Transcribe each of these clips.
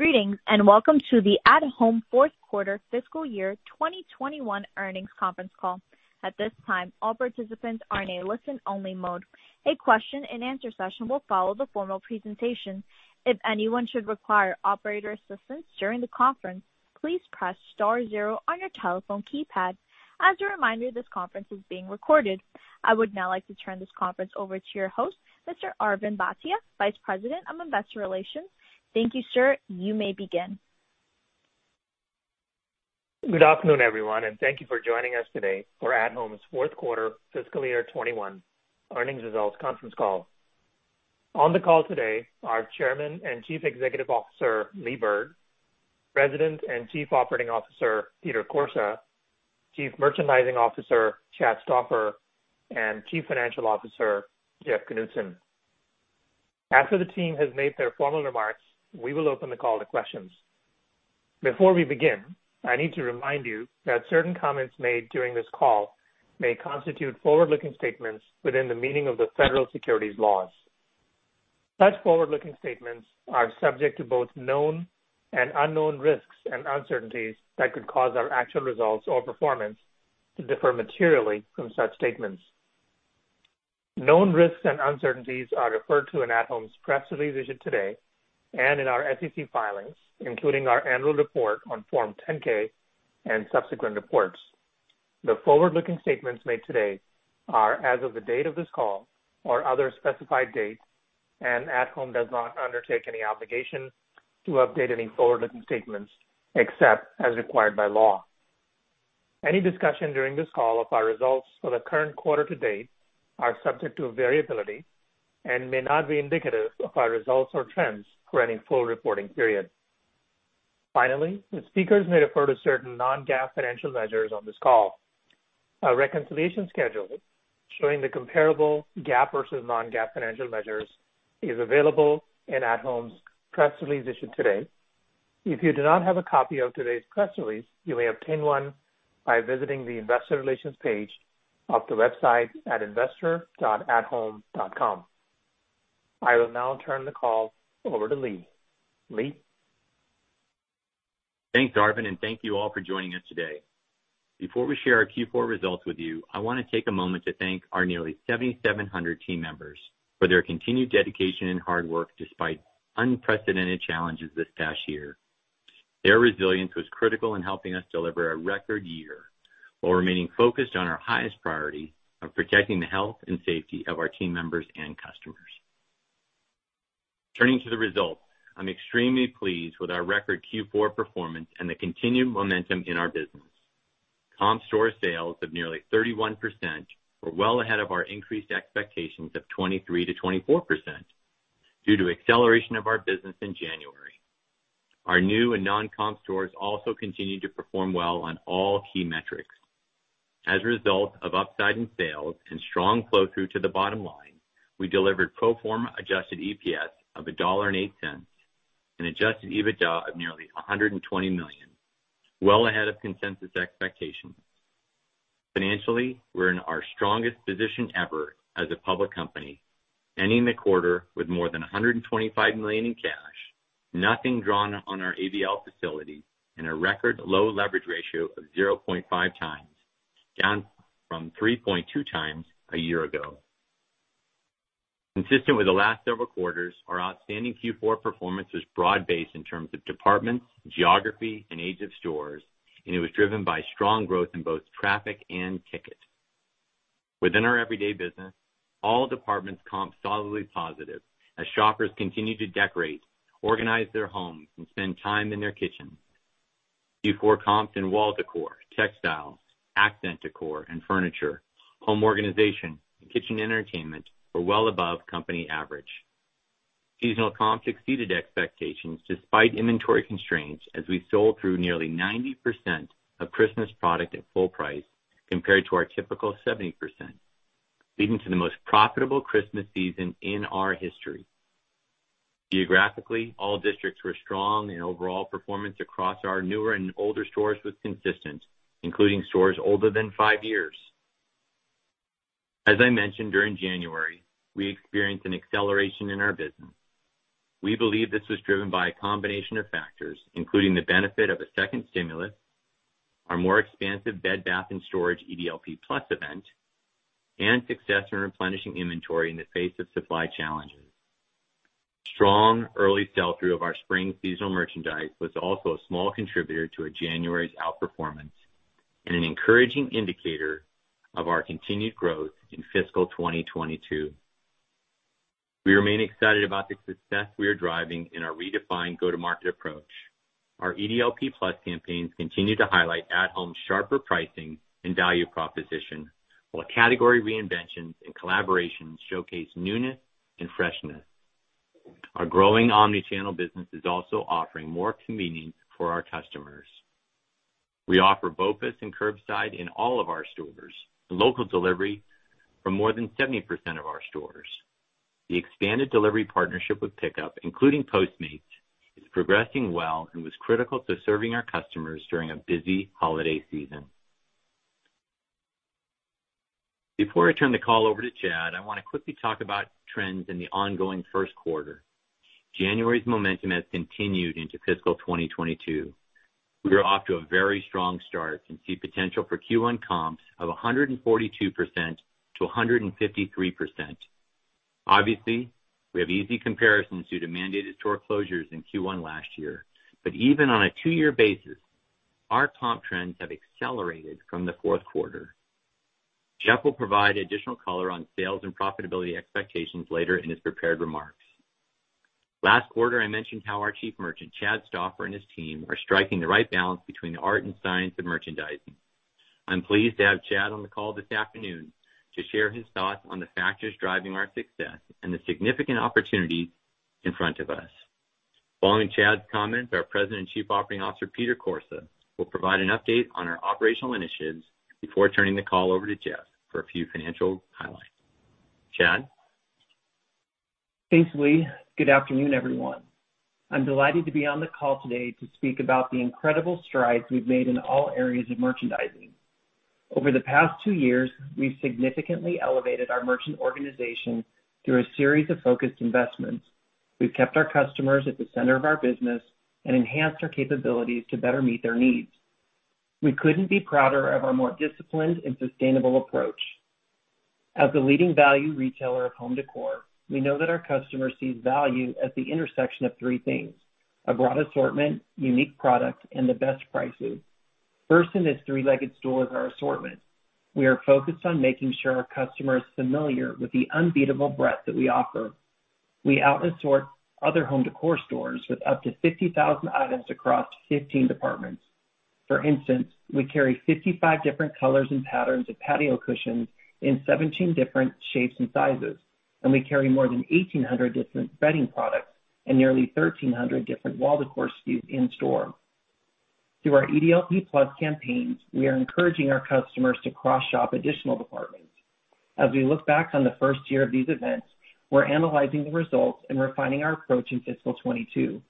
Greetings, and welcome to the At Home fourth quarter fiscal year 2021 earnings conference call. At this time, all participants are in a listen-only mode. A question and answer session will follow the formal presentation. If anyone should require operator assistance during the conference, please press star zero on your telephone keypad. As a reminder, this conference is being recorded. I would now like to turn this conference over to your host, Mr. Arvind Bhatia, Vice President of Investor Relations. Thank you, sir. You may begin. Good afternoon, everyone. Thank you for joining us today for At Home's fourth quarter fiscal year 2021 earnings results conference call. On the call today are Chairman and Chief Executive Officer, Lee Bird, President and Chief Operating Officer, Peter Corsa, Chief Merchandising Officer, Chad Stauffer, and Chief Financial Officer, Jeff Knudson. After the team has made their formal remarks, we will open the call to questions. Before we begin, I need to remind you that certain comments made during this call may constitute forward-looking statements within the meaning of the federal securities laws. Such forward-looking statements are subject to both known and unknown risks and uncertainties that could cause our actual results or performance to differ materially from such statements. Known risks and uncertainties are referred to in At Home's press release issued today and in our SEC filings, including our annual report on Form 10-K and subsequent reports. The forward-looking statements made today are as of the date of this call or other specified dates. At Home does not undertake any obligation to update any forward-looking statements, except as required by law. Any discussion during this call of our results for the current quarter-to-date are subject to variability and may not be indicative of our results or trends for any full reporting period. The speakers may refer to certain non-GAAP financial measures on this call. A reconciliation schedule showing the comparable GAAP versus non-GAAP financial measures is available in At Home's press release issued today. If you do not have a copy of today's press release, you may obtain one by visiting the investor relations page of the website at investor.athome.com. I will now turn the call over to Lee. Lee? Thanks, Arvind. Thank you all for joining us today. Before we share our Q4 results with you, I want to take a moment to thank our nearly 7,700 team members for their continued dedication and hard work despite unprecedented challenges this past year. Their resilience was critical in helping us deliver a record year while remaining focused on our highest priority of protecting the health and safety of our team members and customers. Turning to the results, I'm extremely pleased with our record Q4 performance and the continued momentum in our business. Comp store sales of nearly 31% were well ahead of our increased expectations of 23%-24% due to acceleration of our business in January. Our new and non-comp stores also continued to perform well on all key metrics. As a result of upside in sales and strong flow-through to the bottom line, we delivered pro forma adjusted EPS of $1.08 and adjusted EBITDA of nearly $120 million, well ahead of consensus expectations. Financially, we're in our strongest position ever as a public company, ending the quarter with more than $125 million in cash, nothing drawn on our ABL facility, and a record low leverage ratio of 0.5x, down from 3.2x a year ago. Consistent with the last several quarters, our outstanding Q4 performance was broad-based in terms of departments, geography, and age of stores, and it was driven by strong growth in both traffic and ticket. Within our everyday business, all departments comp solidly positive as shoppers continue to decorate, organize their homes, and spend time in their kitchen. Q4 comps in wall decor, textiles, accent decor and furniture, home organization, and kitchen entertainment were well above company average. Seasonal comps exceeded expectations despite inventory constraints, as we sold through nearly 90% of Christmas product at full price compared to our typical 70%, leading to the most profitable Christmas season in our history. Geographically, all districts were strong, and overall performance across our newer and older stores was consistent, including stores older than five years. As I mentioned during January, we experienced an acceleration in our business. We believe this was driven by a combination of factors, including the benefit of a second stimulus, our more expansive bed bath and storage EDLP+ event, and success in replenishing inventory in the face of supply challenges. Strong early sell-through of our spring seasonal merchandise was also a small contributor to January's outperformance and an encouraging indicator of our continued growth in fiscal 2022. We remain excited about the success we are driving in our redefined go-to-market approach. Our EDLP+ campaigns continue to highlight At Home's sharper pricing and value proposition, while category reinventions and collaborations showcase newness and freshness. Our growing omni-channel business is also offering more convenience for our customers. We offer BOPUS and curbside in all of our stores, and local delivery for more than 70% of our stores. The expanded delivery partnership with PICKUP, including Postmates, is progressing well and was critical to serving our customers during a busy holiday season. Before I turn the call over to Chad, I want to quickly talk about trends in the ongoing first quarter. January's momentum has continued into fiscal 2022. We are off to a very strong start and see potential for Q1 comps of 142%-153%. Obviously, we have easy comparisons due to mandated store closures in Q1 last year. Even on a two-year basis, our comp trends have accelerated from the fourth quarter. Jeff will provide additional color on sales and profitability expectations later in his prepared remarks. Last quarter, I mentioned how our Chief Merchant, Chad Stauffer, and his team are striking the right balance between the art and science of merchandising. I'm pleased to have Chad on the call this afternoon to share his thoughts on the factors driving our success and the significant opportunities in front of us. Following Chad's comments, our President and Chief Operating Officer, Peter Corsa, will provide an update on our operational initiatives before turning the call over to Jeff for a few financial highlights. Chad? Thanks, Lee. Good afternoon, everyone. I'm delighted to be on the call today to speak about the incredible strides we've made in all areas of merchandising. Over the past two years, we've significantly elevated our merchant organization through a series of focused investments. We've kept our customers at the center of our business and enhanced our capabilities to better meet their needs. We couldn't be prouder of our more disciplined and sustainable approach. As the leading value retailer of home décor, we know that our customer sees value at the intersection of three things: a broad assortment, unique product, and the best prices. First in this three-legged stool is our assortment. We are focused on making sure our customer is familiar with the unbeatable breadth that we offer. We out-assort other home décor stores with up to 50,000 items across 15 departments. For instance, we carry 55 different colors and patterns of patio cushions in 17 different shapes and sizes. We carry more than 1,800 different bedding products and nearly 1,300 different wall decor SKUs in store. Through our EDLP+ campaigns, we are encouraging our customers to cross-shop additional departments. As we look back on the first year of these events, we're analyzing the results and refining our approach in fiscal 2022.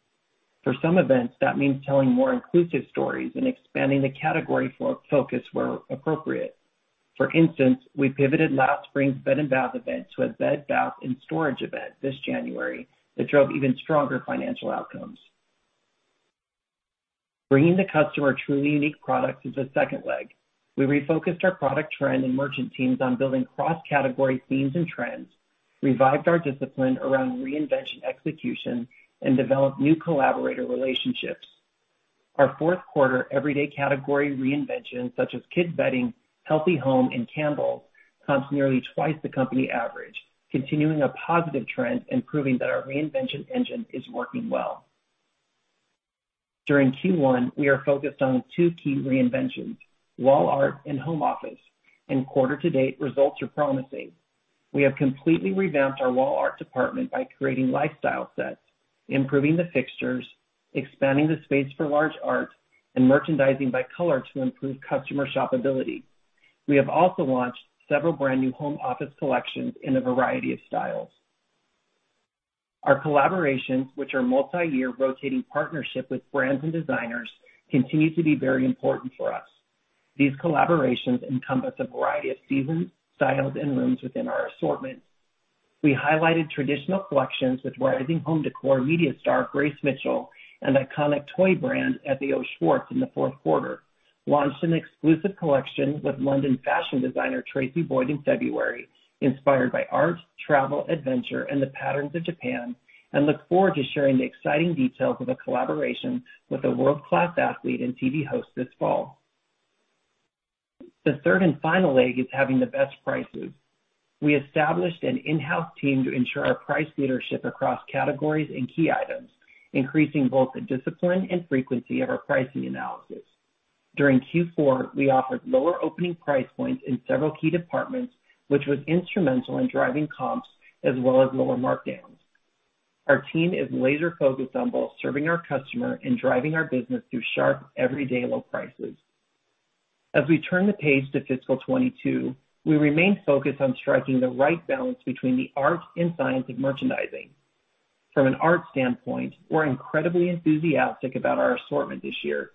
For some events, that means telling more inclusive stories and expanding the category focus where appropriate. For instance, we pivoted last spring's bed and bath event to a bed bath and storage event this January that drove even stronger financial outcomes. Bringing the customer truly unique products is the second leg. We refocused our product trend and merchant teams on building cross-category themes and trends, revived our discipline around reinvention execution, and developed new collaborator relationships. Our fourth quarter everyday category reinventions, such as kids bedding, healthy home, and candles, comps nearly twice the company average, continuing a positive trend and proving that our reinvention engine is working well. During Q1, we are focused on two key reinventions, wall art and home office, and quarter-to-date results are promising. We have completely revamped our wall art department by creating lifestyle sets, improving the fixtures, expanding the space for large art, and merchandising by color to improve customer shopability. We have also launched several brand new home office collections in a variety of styles. Our collaborations, which are multi-year rotating partnership with brands and designers, continue to be very important for us. These collaborations encompass a variety of seasons, styles, and rooms within our assortment. We highlighted traditional collections with rising home decor media star Grace Mitchell and iconic toy brand, FAO Schwarz in the fourth quarter, launched an exclusive collection with London fashion designer Tracey Boyd in February, inspired by art, travel, adventure, and the patterns of Japan, and look forward to sharing the exciting details of a collaboration with a world-class athlete and TV host this fall. The third and final leg is having the best prices. We established an in-house team to ensure our price leadership across categories and key items, increasing both the discipline and frequency of our pricing analysis. During Q4, we offered lower opening price points in several key departments, which was instrumental in driving comps as well as lower markdowns. Our team is laser focused on both serving our customer and driving our business through sharp everyday low prices. As we turn the page to fiscal 2022, we remain focused on striking the right balance between the art and science of merchandising. From an art standpoint, we're incredibly enthusiastic about our assortment this year.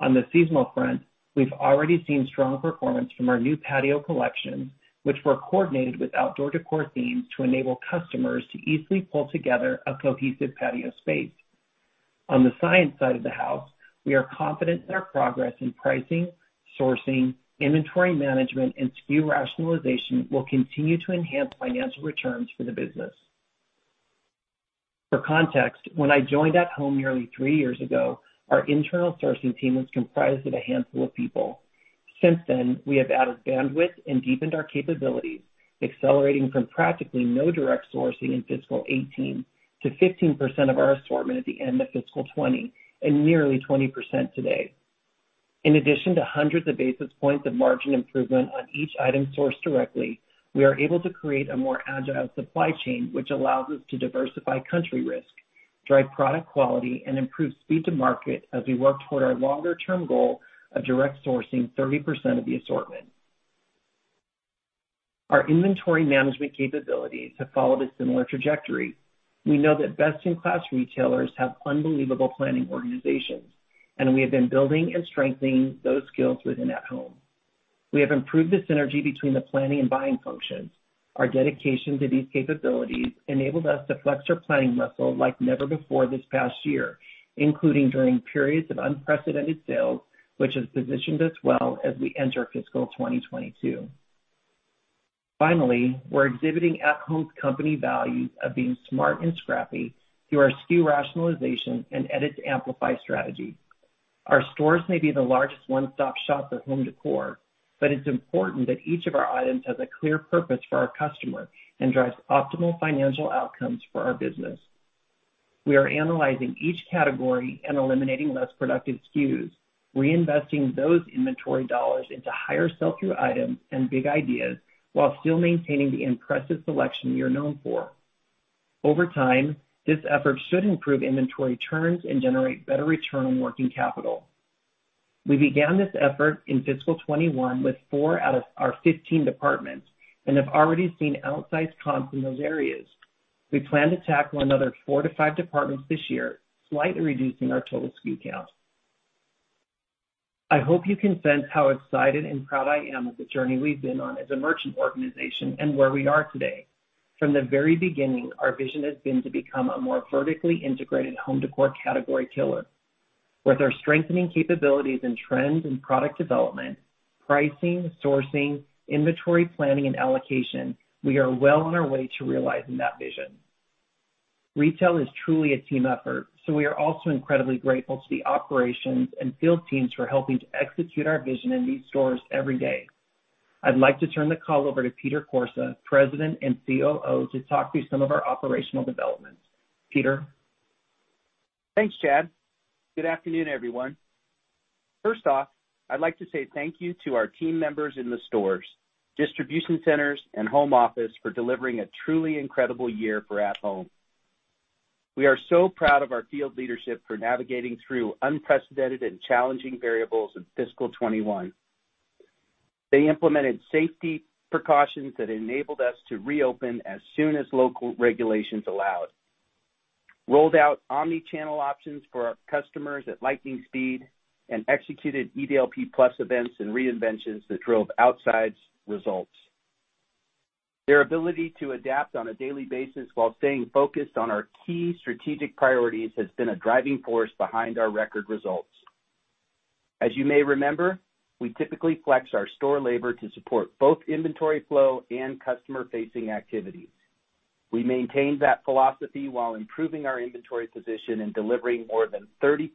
On the seasonal front, we've already seen strong performance from our new patio collection, which were coordinated with outdoor decor themes to enable customers to easily pull together a cohesive patio space. On the science side of the house, we are confident that our progress in pricing, sourcing, inventory management, and SKU rationalization will continue to enhance financial returns for the business. For context, when I joined At Home nearly three years ago, our internal sourcing team was comprised of a handful of people. Since then, we have added bandwidth and deepened our capabilities, accelerating from practically no direct sourcing in fiscal 2018 to 15% of our assortment at the end of fiscal 2020, and nearly 20% today. In addition to hundreds of basis points of margin improvement on each item sourced directly, we are able to create a more agile supply chain, which allows us to diversify country risk, drive product quality, and improve speed to market as we work toward our longer-term goal of direct sourcing 30% of the assortment. Our inventory management capabilities have followed a similar trajectory. We know that best in class retailers have unbelievable planning organizations. We have been building and strengthening those skills within At Home. We have improved the synergy between the planning and buying functions. Our dedication to these capabilities enabled us to flex our planning muscle like never before this past year, including during periods of unprecedented sales, which has positioned us well as we enter fiscal 2022. Finally, we're exhibiting At Home's company values of being smart and scrappy through our SKU rationalization and Edit and Amplify strategy. Our stores may be the largest one-stop shop for home decor, but it's important that each of our items has a clear purpose for our customer and drives optimal financial outcomes for our business. We are analyzing each category and eliminating less productive SKUs, reinvesting those inventory dollars into higher sell-through items and big ideas while still maintaining the impressive selection we are known for. Over time, this effort should improve inventory turns and generate better return on working capital. We began this effort in fiscal 2021 with four out of our 15 departments and have already seen outsized comps in those areas. We plan to tackle another four to five departments this year, slightly reducing our total SKU count. I hope you can sense how excited and proud I am of the journey we've been on as a merchant organization and where we are today. From the very beginning, our vision has been to become a more vertically integrated home decor category killer. With our strengthening capabilities in trends and product development, pricing, sourcing, inventory planning, and allocation, we are well on our way to realizing that vision. We are also incredibly grateful to the operations and field teams for helping to execute our vision in these stores every day. I'd like to turn the call over to Peter Corsa, President and COO, to talk through some of our operational developments. Peter? Thanks, Chad. Good afternoon, everyone. First off, I'd like to say thank you to our team members in the stores, distribution centers, and home office for delivering a truly incredible year for At Home. We are so proud of our field leadership for navigating through unprecedented and challenging variables in fiscal 2021. They implemented safety precautions that enabled us to reopen as soon as local regulations allowed, rolled out omni-channel options for our customers at lightning speed, and executed EDLP+ events and reinventions that drove outsized results. Their ability to adapt on a daily basis while staying focused on our key strategic priorities has been a driving force behind our record results. As you may remember, we typically flex our store labor to support both inventory flow and customer-facing activities. We maintained that philosophy while improving our inventory position and delivering more than 30%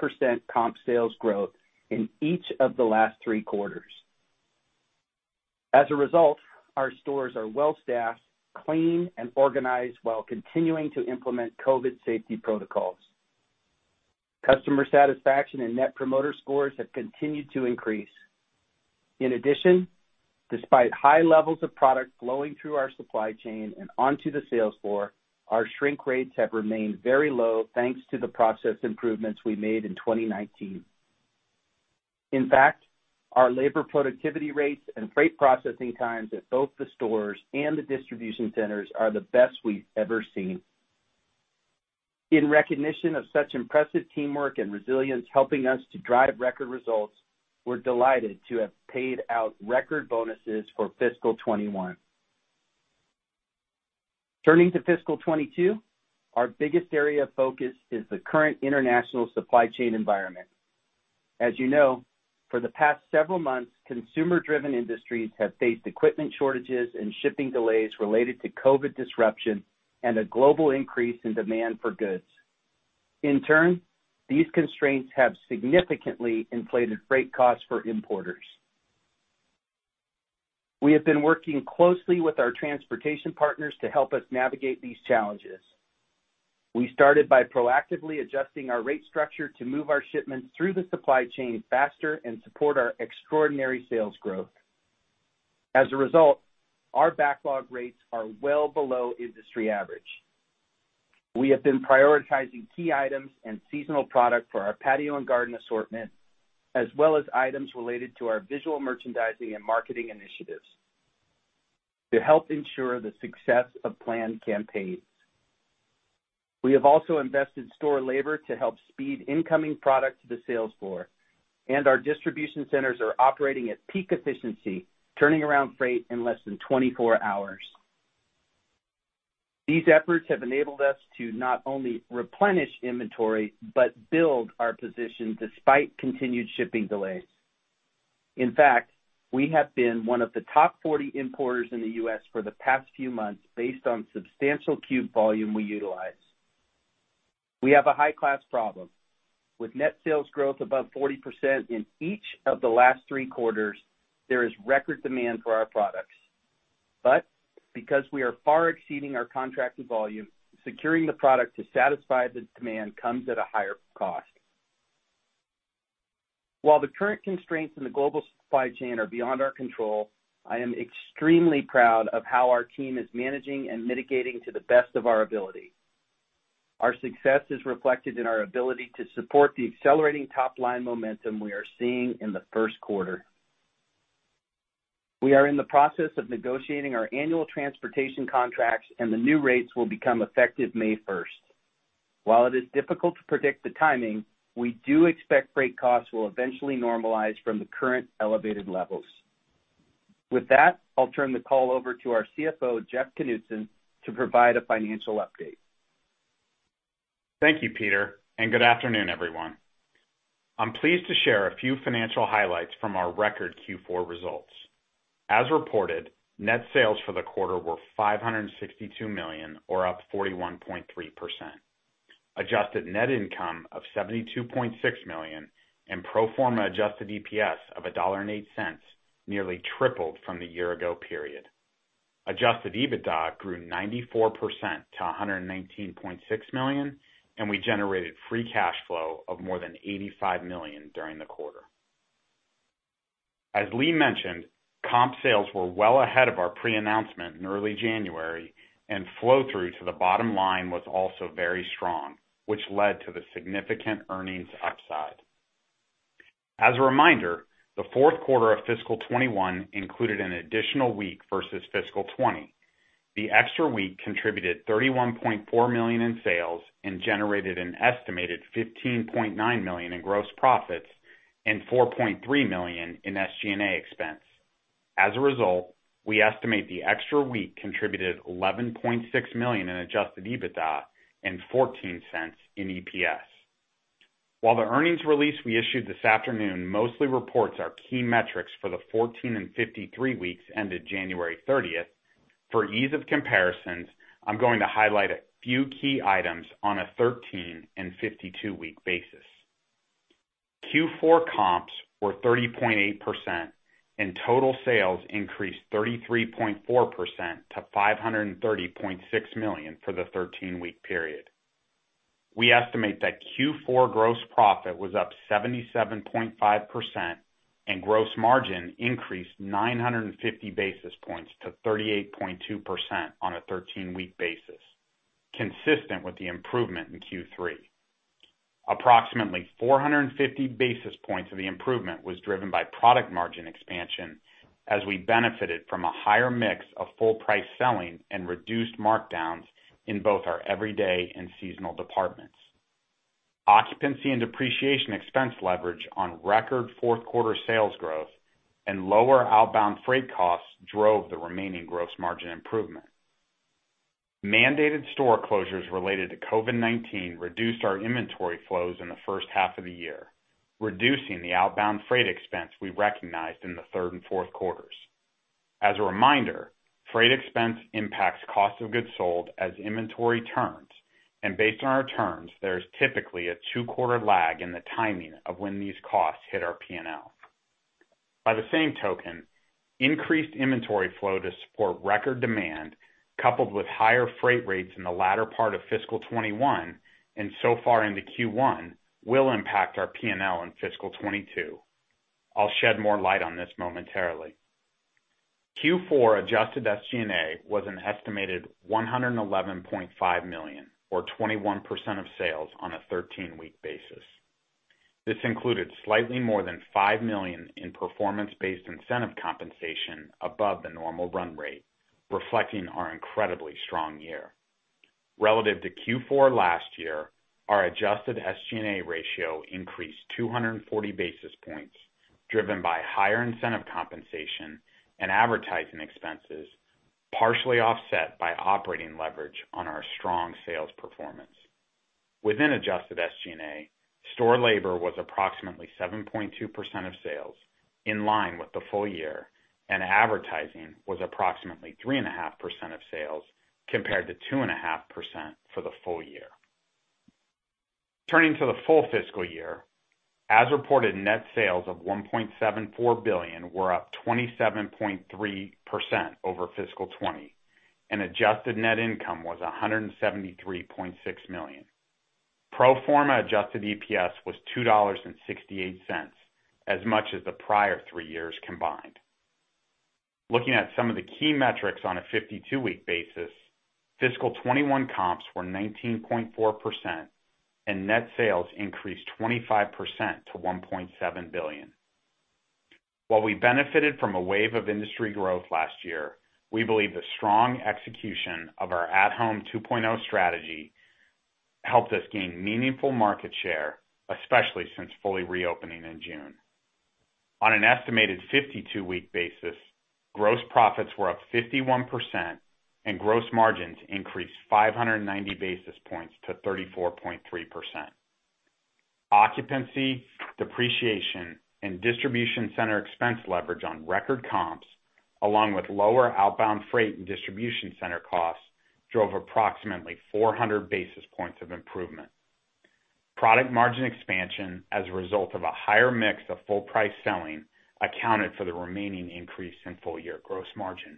comp sales growth in each of the last three quarters. As a result, our stores are well-staffed, clean, and organized while continuing to implement COVID-19 safety protocols. Customer satisfaction and Net Promoter Scores have continued to increase. In addition, despite high levels of product flowing through our supply chain and onto the sales floor, our shrink rates have remained very low thanks to the process improvements we made in 2019. In fact, our labor productivity rates and freight processing times at both the stores and the distribution centers are the best we've ever seen. In recognition of such impressive teamwork and resilience helping us to drive record results, we're delighted to have paid out record bonuses for fiscal 2021. Turning to fiscal 2022, our biggest area of focus is the current international supply chain environment. As you know, for the past several months, consumer-driven industries have faced equipment shortages and shipping delays related to COVID disruption and a global increase in demand for goods. In turn, these constraints have significantly inflated freight costs for importers. We have been working closely with our transportation partners to help us navigate these challenges. We started by proactively adjusting our rate structure to move our shipments through the supply chain faster and support our extraordinary sales growth. As a result, our backlog rates are well below industry average. We have been prioritizing key items and seasonal product for our patio and garden assortment, as well as items related to our visual merchandising and marketing initiatives to help ensure the success of planned campaigns. We have also invested store labor to help speed incoming product to the sales floor, and our distribution centers are operating at peak efficiency, turning around freight in less than 24 hours. These efforts have enabled us to not only replenish inventory, but build our position despite continued shipping delays. In fact, we have been one of the top 40 importers in the U.S. for the past few months based on substantial cube volume we utilize. We have a high-class problem. With net sales growth above 40% in each of the last three quarters, there is record demand for our products. Because we are far exceeding our contracted volume, securing the product to satisfy the demand comes at a higher cost. While the current constraints in the global supply chain are beyond our control, I am extremely proud of how our team is managing and mitigating to the best of our ability. Our success is reflected in our ability to support the accelerating top-line momentum we are seeing in the first quarter. We are in the process of negotiating our annual transportation contracts, and the new rates will become effective May 1st. While it is difficult to predict the timing, I do expect freight costs will eventually normalize from the current elevated levels. With that, I'll turn the call over to our CFO, Jeff Knudson, to provide a financial update. Thank you, Peter, and good afternoon, everyone. I'm pleased to share a few financial highlights from our record Q4 results. As reported, net sales for the quarter were $562 million, or up 41.3%. Adjusted net income of $72.6 million and pro forma adjusted EPS of $1.08 nearly tripled from the year ago period. Adjusted EBITDA grew 94% to $119.6 million, and we generated free cash flow of more than $85 million during the quarter. As Lee mentioned, comp sales were well ahead of our pre-announcement in early January, and flow through to the bottom line was also very strong, which led to the significant earnings upside. As a reminder, the fourth quarter of fiscal 2021 included an additional week versus fiscal 2020. The extra week contributed $31.4 million in sales and generated an estimated $15.9 million in gross profits and $4.3 million in SG&A expense. As a result, we estimate the extra week contributed $11.6 million in adjusted EBITDA and $0.14 in EPS. While the earnings release we issued this afternoon mostly reports our key metrics for the 14 and 53 weeks ended January 30th, for ease of comparisons, I'm going to highlight a few key items on a 13- and 52-week basis. Q4 comps were 30.8%, total sales increased 33.4% to $530.6 million for the 13-week period. We estimate that Q4 gross profit was up 77.5%, and gross margin increased 950 basis points to 38.2% on a 13-week basis, consistent with the improvement in Q3. Approximately 450 basis points of the improvement was driven by product margin expansion as we benefited from a higher mix of full price selling and reduced markdowns in both our everyday and seasonal departments. Occupancy and depreciation expense leverage on record fourth quarter sales growth and lower outbound freight costs drove the remaining gross margin improvement. Mandated store closures related to COVID-19 reduced our inventory flows in the first half of the year, reducing the outbound freight expense we recognized in the third and fourth quarters. As a reminder, freight expense impacts cost of goods sold as inventory turns, and based on our turns, there's typically a two-quarter lag in the timing of when these costs hit our P&L. By the same token, increased inventory flow to support record demand, coupled with higher freight rates in the latter part of fiscal 2021 and so far into Q1, will impact our P&L in fiscal 2022. I'll shed more light on this momentarily. Q4 adjusted SG&A was an estimated $111.5 million, or 21% of sales on a 13-week basis. This included slightly more than $5 million in performance-based incentive compensation above the normal run rate, reflecting our incredibly strong year. Relative to Q4 last year, our adjusted SG&A ratio increased 240 basis points, driven by higher incentive compensation and advertising expenses, partially offset by operating leverage on our strong sales performance. Within adjusted SG&A, store labor was approximately 7.2% of sales, in line with the full year, and advertising was approximately 3.5% of sales, compared to 2.5% for the full year. Turning to the full fiscal year, as reported, net sales of $1.74 billion were up 27.3% over fiscal 2020, and adjusted net income was $173.6 million. Pro forma adjusted EPS was $2.68, as much as the prior three years combined. Looking at some of the key metrics on a 52-week basis, fiscal 2021 comps were 19.4%, and net sales increased 25% to $1.7 billion. While we benefited from a wave of industry growth last year, we believe the strong execution of our At Home 2.0 strategy helped us gain meaningful market share, especially since fully reopening in June. On an estimated 52-week basis, gross profits were up 51%, and gross margins increased 590 basis points to 34.3%. Occupancy, depreciation, and distribution center expense leverage on record comps, along with lower outbound freight and distribution center costs, drove approximately 400 basis points of improvement. Product margin expansion as a result of a higher mix of full price selling accounted for the remaining increase in full year gross margin.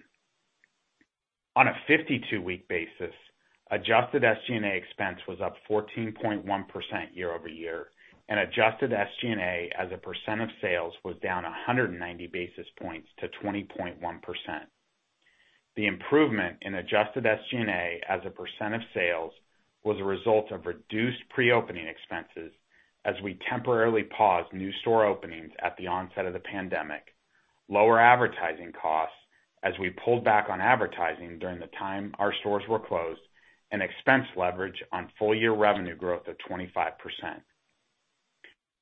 On a 52-week basis, adjusted SG&A expense was up 14.1% year-over-year, and adjusted SG&A as a percent of sales was down 190 basis points to 20.1%. The improvement in adjusted SG&A as a percent of sales was a result of reduced pre-opening expenses as we temporarily paused new store openings at the onset of the pandemic, lower advertising costs as we pulled back on advertising during the time our stores were closed, and expense leverage on full year revenue growth of 25%.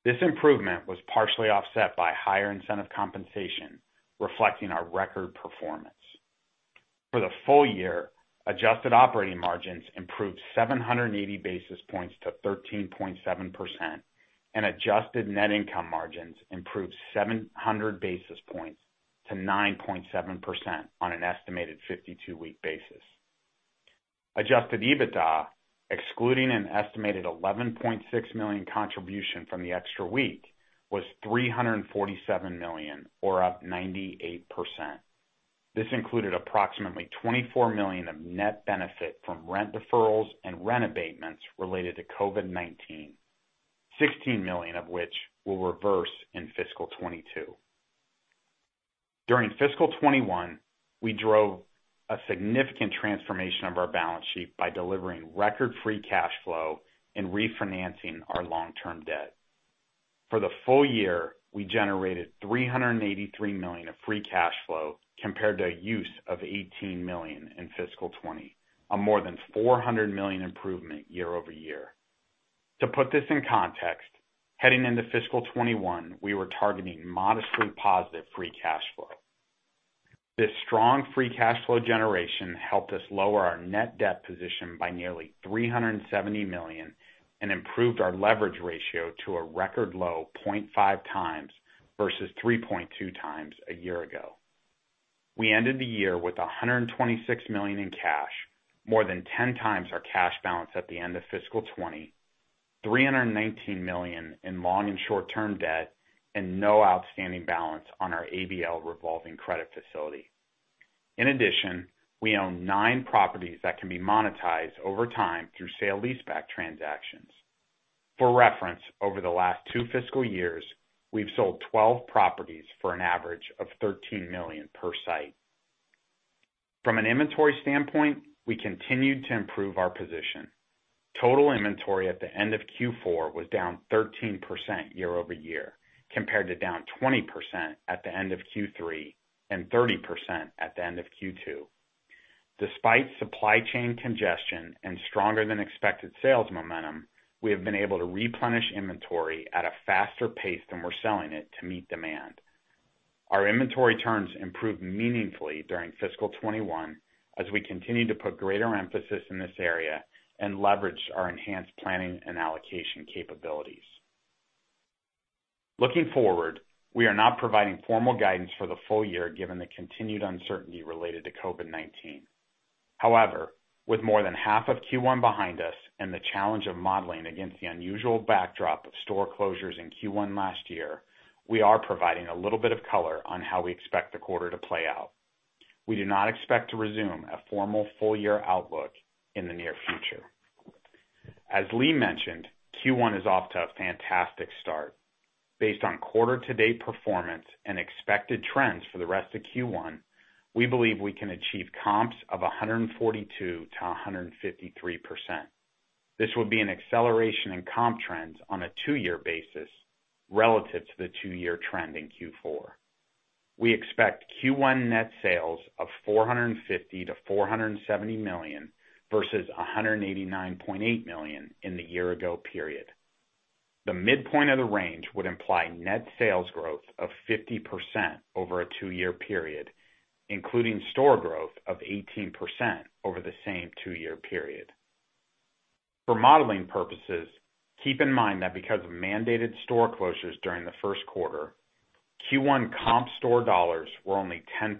This improvement was partially offset by higher incentive compensation, reflecting our record performance. For the full year, adjusted operating margins improved 780 basis points to 13.7%, and adjusted net income margins improved 700 basis points to 9.7% on an estimated 52-week basis. Adjusted EBITDA, excluding an estimated $11.6 million contribution from the extra week, was $347 million, or up 98%. This included approximately $24 million of net benefit from rent deferrals and rent abatements related to COVID-19, $16 million of which will reverse in fiscal 2022. During fiscal 2021, we drove a significant transformation of our balance sheet by delivering record free cash flow and refinancing our long-term debt. For the full year, we generated $383 million of free cash flow compared to a use of $18 million in fiscal 2020, a more than $400 million improvement year-over-year. To put this in context, heading into fiscal 2021, we were targeting modestly positive free cash flow. This strong free cash flow generation helped us lower our net debt position by nearly $370 million and improved our leverage ratio to a record low 0.5x versus 3.2x a year ago. We ended the year with $126 million in cash, more than 10x our cash balance at the end of fiscal 2020, $319 million in long and short-term debt, and no outstanding balance on our ABL revolving credit facility. In addition, we own nine properties that can be monetized over time through sale leaseback transactions. For reference, over the last two fiscal years, we've sold 12 properties for an average of $13 million per site. From an inventory standpoint, we continued to improve our position. Total inventory at the end of Q4 was down 13% year-over-year compared to down 20% at the end of Q3 and 30% at the end of Q2. Despite supply chain congestion and stronger than expected sales momentum, we have been able to replenish inventory at a faster pace than we're selling it to meet demand. Our inventory turns improved meaningfully during fiscal 2021 as we continue to put greater emphasis in this area and leverage our enhanced planning and allocation capabilities. Looking forward, we are not providing formal guidance for the full year given the continued uncertainty related to COVID-19. With more than half of Q1 behind us and the challenge of modeling against the unusual backdrop of store closures in Q1 last year, we are providing a little bit of color on how we expect the quarter to play out. We do not expect to resume a formal full year outlook in the near future. As Lee mentioned, Q1 is off to a fantastic start. Based on quarter-to-date performance and expected trends for the rest of Q1, we believe we can achieve comps of 142%-153%. This will be an acceleration in comp trends on a two-year basis relative to the two-year trend in Q4. We expect Q1 net sales of $450 million-$470 million versus $189.8 million in the year ago period. The midpoint of the range would imply net sales growth of 50% over a two-year period, including store growth of 18% over the same two-year period. For modeling purposes, keep in mind that because of mandated store closures during the first quarter, Q1 comp store dollars were only 10%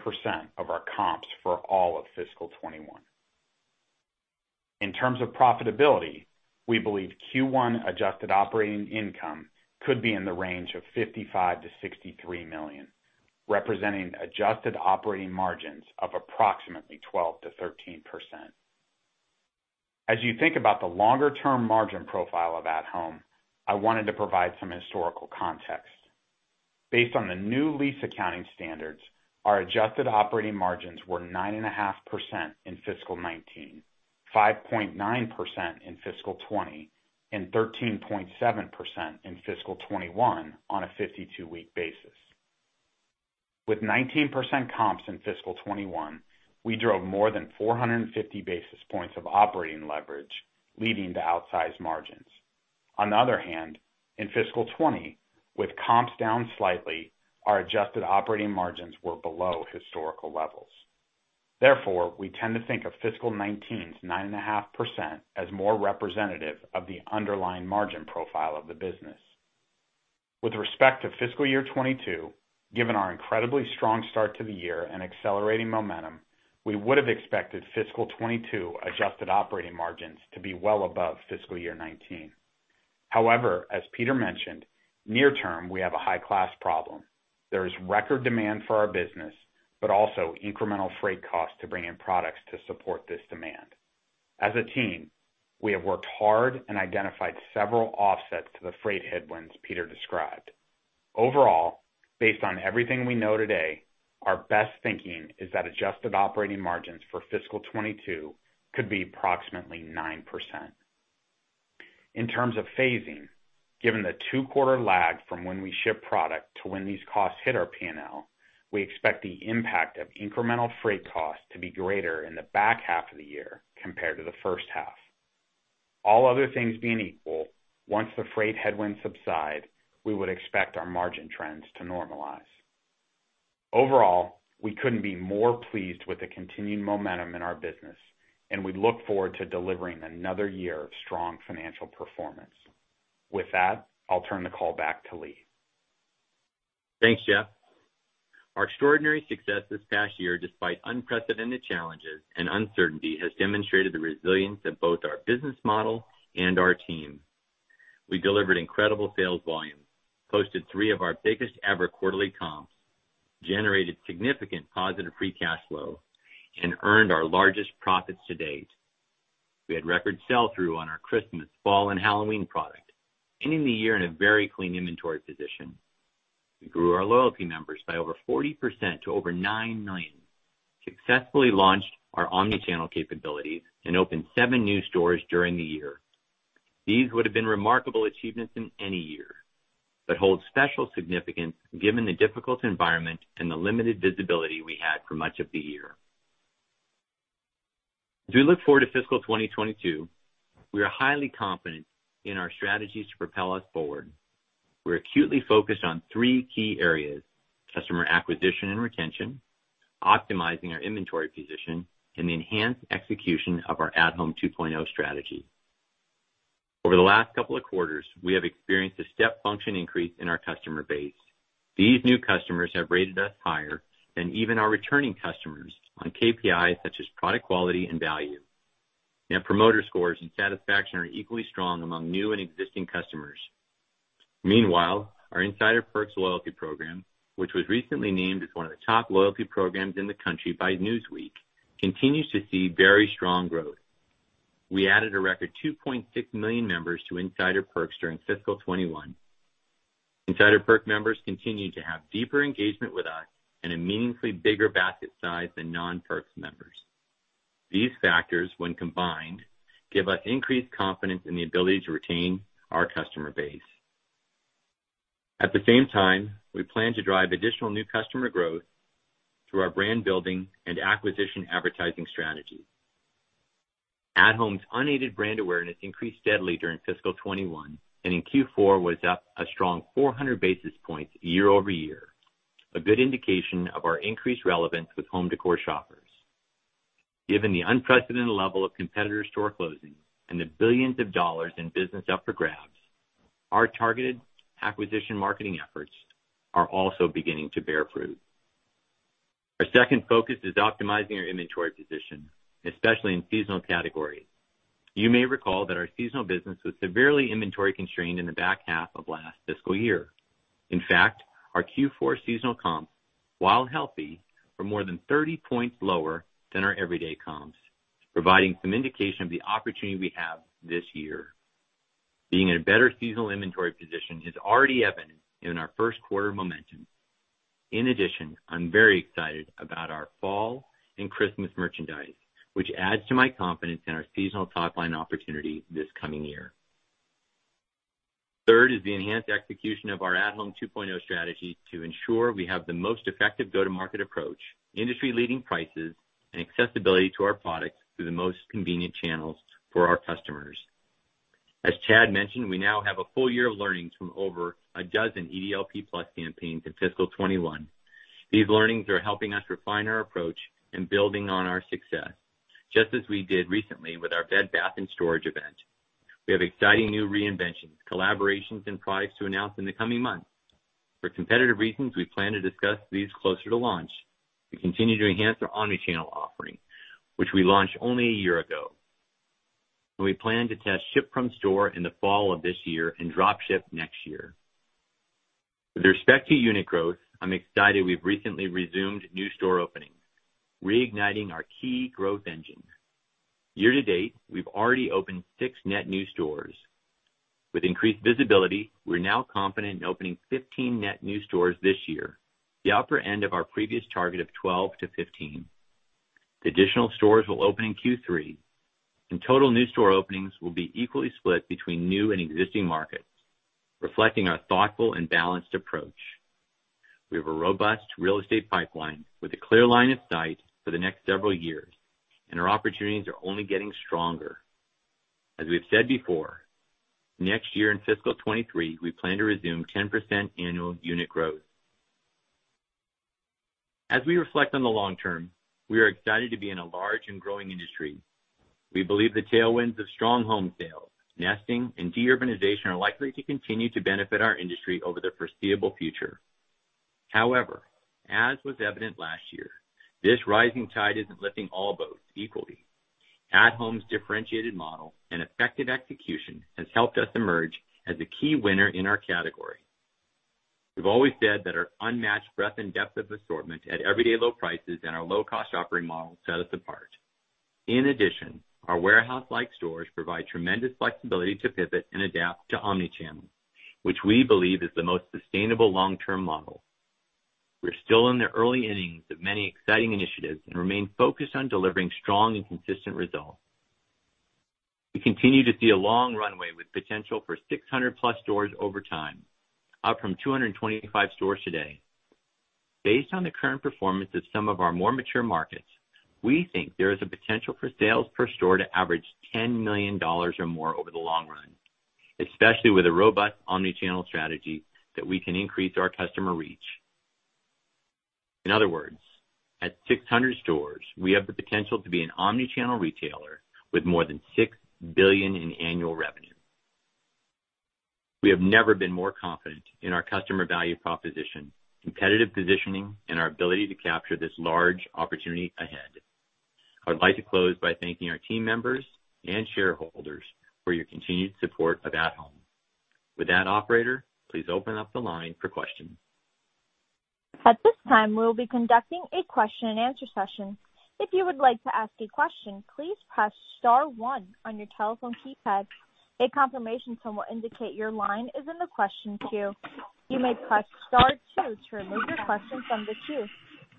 of our comps for all of fiscal 2021. In terms of profitability, we believe Q1 adjusted operating income could be in the range of $55 million-$63 million, representing adjusted operating margins of approximately 12%-13%. As you think about the longer term margin profile of At Home, I wanted to provide some historical context. Based on the new lease accounting standards, our adjusted operating margins were 9.5% in fiscal 2019, 5.9% in fiscal 2020, and 13.7% in fiscal 2021 on a 52-week basis. With 19% comps in fiscal 2021, we drove more than 450 basis points of operating leverage, leading to outsized margins. On the other hand, in fiscal 2020, with comps down slightly, our adjusted operating margins were below historical levels. Therefore, we tend to think of fiscal 2019's 9.5% as more representative of the underlying margin profile of the business. With respect to fiscal year 2022, given our incredibly strong start to the year and accelerating momentum, we would have expected fiscal 2022 adjusted operating margins to be well above fiscal year 2019. However, as Peter mentioned, near term, we have a high class problem. There is record demand for our business, but also incremental freight costs to bring in products to support this demand. As a team, we have worked hard and identified several offsets to the freight headwinds Peter described. Overall, based on everything we know today, our best thinking is that adjusted operating margins for fiscal 2022 could be approximately 9%. In terms of phasing, given the two-quarter lag from when we ship product to when these costs hit our P&L, we expect the impact of incremental freight costs to be greater in the back half of the year compared to the first half. All other things being equal, once the freight headwinds subside, we would expect our margin trends to normalize. Overall, we couldn't be more pleased with the continued momentum in our business, and we look forward to delivering another year of strong financial performance. With that, I'll turn the call back to Lee. Thanks, Jeff. Our extraordinary success this past year, despite unprecedented challenges and uncertainty, has demonstrated the resilience of both our business model and our team. We delivered incredible sales volumes, posted three of our biggest ever quarterly comps, generated significant positive free cash flow, and earned our largest profits to-date. We had record sell-through on our Christmas, fall, and Halloween product, ending the year in a very clean inventory position. We grew our loyalty members by over 40% to over 9 million, successfully launched our omni-channel capabilities and opened seven new stores during the year. These would have been remarkable achievements in any year, but hold special significance given the difficult environment and the limited visibility we had for much of the year. As we look forward to fiscal 2022, we are highly confident in our strategies to propel us forward. We're acutely focused on three key areas, customer acquisition and retention, optimizing our inventory position, and the enhanced execution of our At Home 2.0 strategy. Over the last couple of quarters, we have experienced a step function increase in our customer base. These new customers have rated us higher than even our returning customers on KPIs such as product quality and value. Net promoter scores and satisfaction are equally strong among new and existing customers. Meanwhile, our Insider Perks loyalty program, which was recently named as one of the top loyalty programs in the country by Newsweek, continues to see very strong growth. We added a record 2.6 million members to Insider Perks during fiscal 2021. Insider Perks members continue to have deeper engagement with us and a meaningfully bigger basket size than non-Perks members. These factors, when combined, give us increased confidence in the ability to retain our customer base. At the same time, we plan to drive additional new customer growth through our brand-building and acquisition advertising strategy. At Home's unaided brand awareness increased steadily during fiscal 2021, and in Q4 was up a strong 400 basis points year-over-year, a good indication of our increased relevance with home décor shoppers. Given the unprecedented level of competitor store closings and the billions of dollars in business up for grabs, our targeted acquisition marketing efforts are also beginning to bear fruit. Our second focus is optimizing our inventory position, especially in seasonal categories. You may recall that our seasonal business was severely inventory constrained in the back half of last fiscal year. In fact, our Q4 seasonal comps, while healthy, were more than 30 points lower than our everyday comps, providing some indication of the opportunity we have this year. Being in a better seasonal inventory position is already evident in our first quarter momentum. In addition, I'm very excited about our fall and Christmas merchandise, which adds to my confidence in our seasonal top-line opportunity this coming year. Third is the enhanced execution of our At Home 2.0 strategy to ensure we have the most effective go-to-market approach, industry-leading prices, and accessibility to our products through the most convenient channels for our customers. As Chad mentioned, we now have a full year of learnings from over a dozen EDLP+ campaigns in fiscal 2021. These learnings are helping us refine our approach and building on our success, just as we did recently with our bed bath and storage event. We have exciting new reinventions, collaborations, and products to announce in the coming months. For competitive reasons, we plan to discuss these closer to launch. We continue to enhance our omni-channel offering, which we launched only a year ago, and we plan to test ship from store in the fall of this year and drop ship next year. With respect to unit growth, I'm excited we've recently resumed new store openings, reigniting our key growth engine. Year-to-date, we've already opened six net new stores. With increased visibility, we're now confident in opening 15 net new stores this year, the upper end of our previous target of 12-15. The additional stores will open in Q3, and total new store openings will be equally split between new and existing markets, reflecting our thoughtful and balanced approach. We have a robust real estate pipeline with a clear line of sight for the next several years, and our opportunities are only getting stronger. As we've said before, next year in fiscal 2023, we plan to resume 10% annual unit growth. As we reflect on the long term, we are excited to be in a large and growing industry. We believe the tailwinds of strong home sales, nesting, and de-urbanization are likely to continue to benefit our industry over the foreseeable future. However, as was evident last year, this rising tide isn't lifting all boats equally. At Home's differentiated model and effective execution has helped us emerge as a key winner in our category. We've always said that our unmatched breadth and depth of assortment at everyday low prices and our low-cost operating model set us apart. In addition, our warehouse-like stores provide tremendous flexibility to pivot and adapt to omni-channel, which we believe is the most sustainable long-term model. We're still in the early innings of many exciting initiatives and remain focused on delivering strong and consistent results. We continue to see a long runway with potential for 600+ stores over time, up from 225 stores today. Based on the current performance of some of our more mature markets, we think there is a potential for sales per store to average $10 million or more over the long run, especially with a robust omni-channel strategy that we can increase our customer reach. In other words, at 600 stores, we have the potential to be an omni-channel retailer with more than $6 billion in annual revenue. We have never been more confident in our customer value proposition, competitive positioning, and our ability to capture this large opportunity ahead. I would like to close by thanking our team members and shareholders for your continued support of At Home. With that, operator, please open up the line for questions. At this time, we'll be conducting a question and answer session. If you would like to ask a question, please press start one on your telephone keypad. A confirmation somewhat indicate that your line is in the question queue. You may press star two to remove your question from the queue.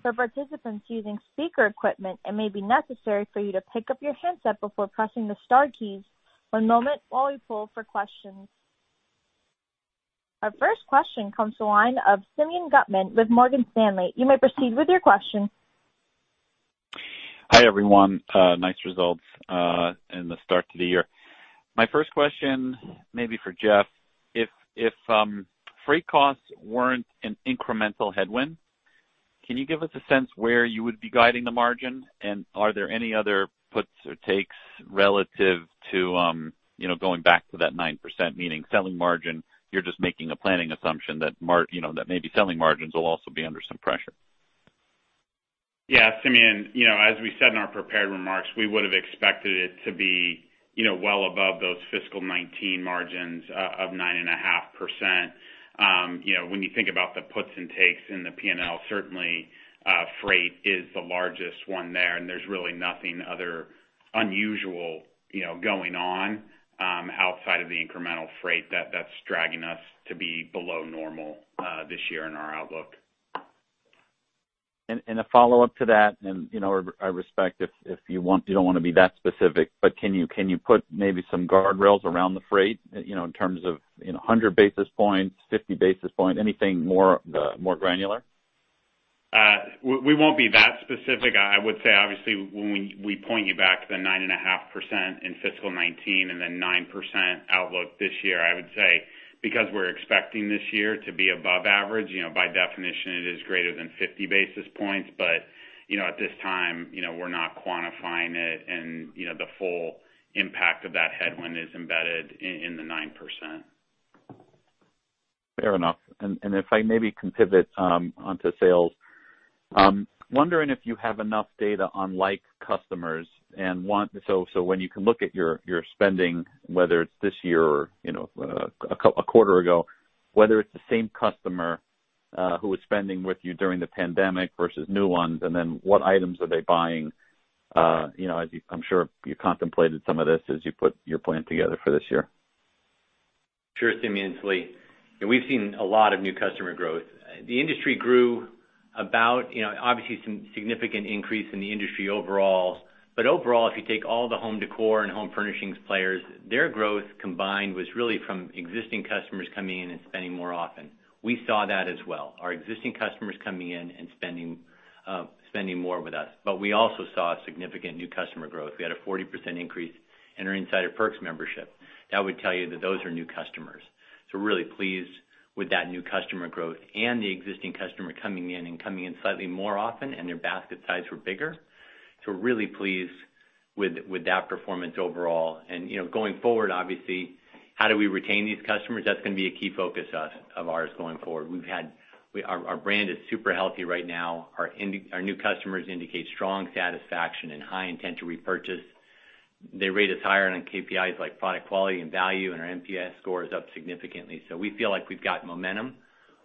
For participants choosing speaker equipment, it may be necessary for you to pick up your handset before pressing the star keys. One moment while we pull for questions. Our first question comes to the line of Simeon Gutman with Morgan Stanley. You may proceed with your question. Hi, everyone. Nice results in the start to the year. My first question, maybe for Jeff, if freight costs weren't an incremental headwind, can you give us a sense where you would be guiding the margin? Are there any other puts or takes relative to going back to that 9%, meaning selling margin, you're just making a planning assumption that maybe selling margins will also be under some pressure? Yeah, Simeon, as we said in our prepared remarks, we would have expected it to be well above those fiscal 2019 margins of 9.5%. When you think about the puts and takes in the P&L, certainly, freight is the largest one there, and there's really nothing other unusual going on outside of the incremental freight that's dragging us to be below normal this year in our outlook. A follow-up to that, and I respect if you don't want to be that specific, but can you put maybe some guardrails around the freight, in terms of 100 basis points, 50 basis point, anything more granular? We won't be that specific. I would say, obviously, when we point you back to the 9.5% in fiscal 2019 and then 9% outlook this year, I would say, because we're expecting this year to be above average, by definition, it is greater than 50 basis points. At this time, we're not quantifying it, and the full impact of that headwind is embedded in the 9%. Fair enough. If I maybe can pivot onto sales. Wondering if you have enough data on like customers when you can look at your spending, whether it's this year or a quarter ago, whether it's the same customer who was spending with you during the pandemic versus new ones, and then what items are they buying? I'm sure you contemplated some of this as you put your plan together for this year. Sure, Simeon. It's Lee. We've seen a lot of new customer growth. The industry grew about some significant increase in the industry overall. Overall, if you take all the home decor and home furnishings players, their growth combined was really from existing customers coming in and spending more often. We saw that as well. Our existing customers coming in and spending more with us. We also saw significant new customer growth. We had a 40% increase in our Insider Perks membership. That would tell you that those are new customers. We're really pleased with that new customer growth and the existing customer coming in and slightly more often, and their basket size were bigger. We're really pleased with that performance overall. Going forward, how do we retain these customers? That's going to be a key focus of ours going forward. Our brand is super healthy right now. Our new customers indicate strong satisfaction and high intent to repurchase. They rate us higher on KPIs like product quality and value, and our NPS score is up significantly. We feel like we've got momentum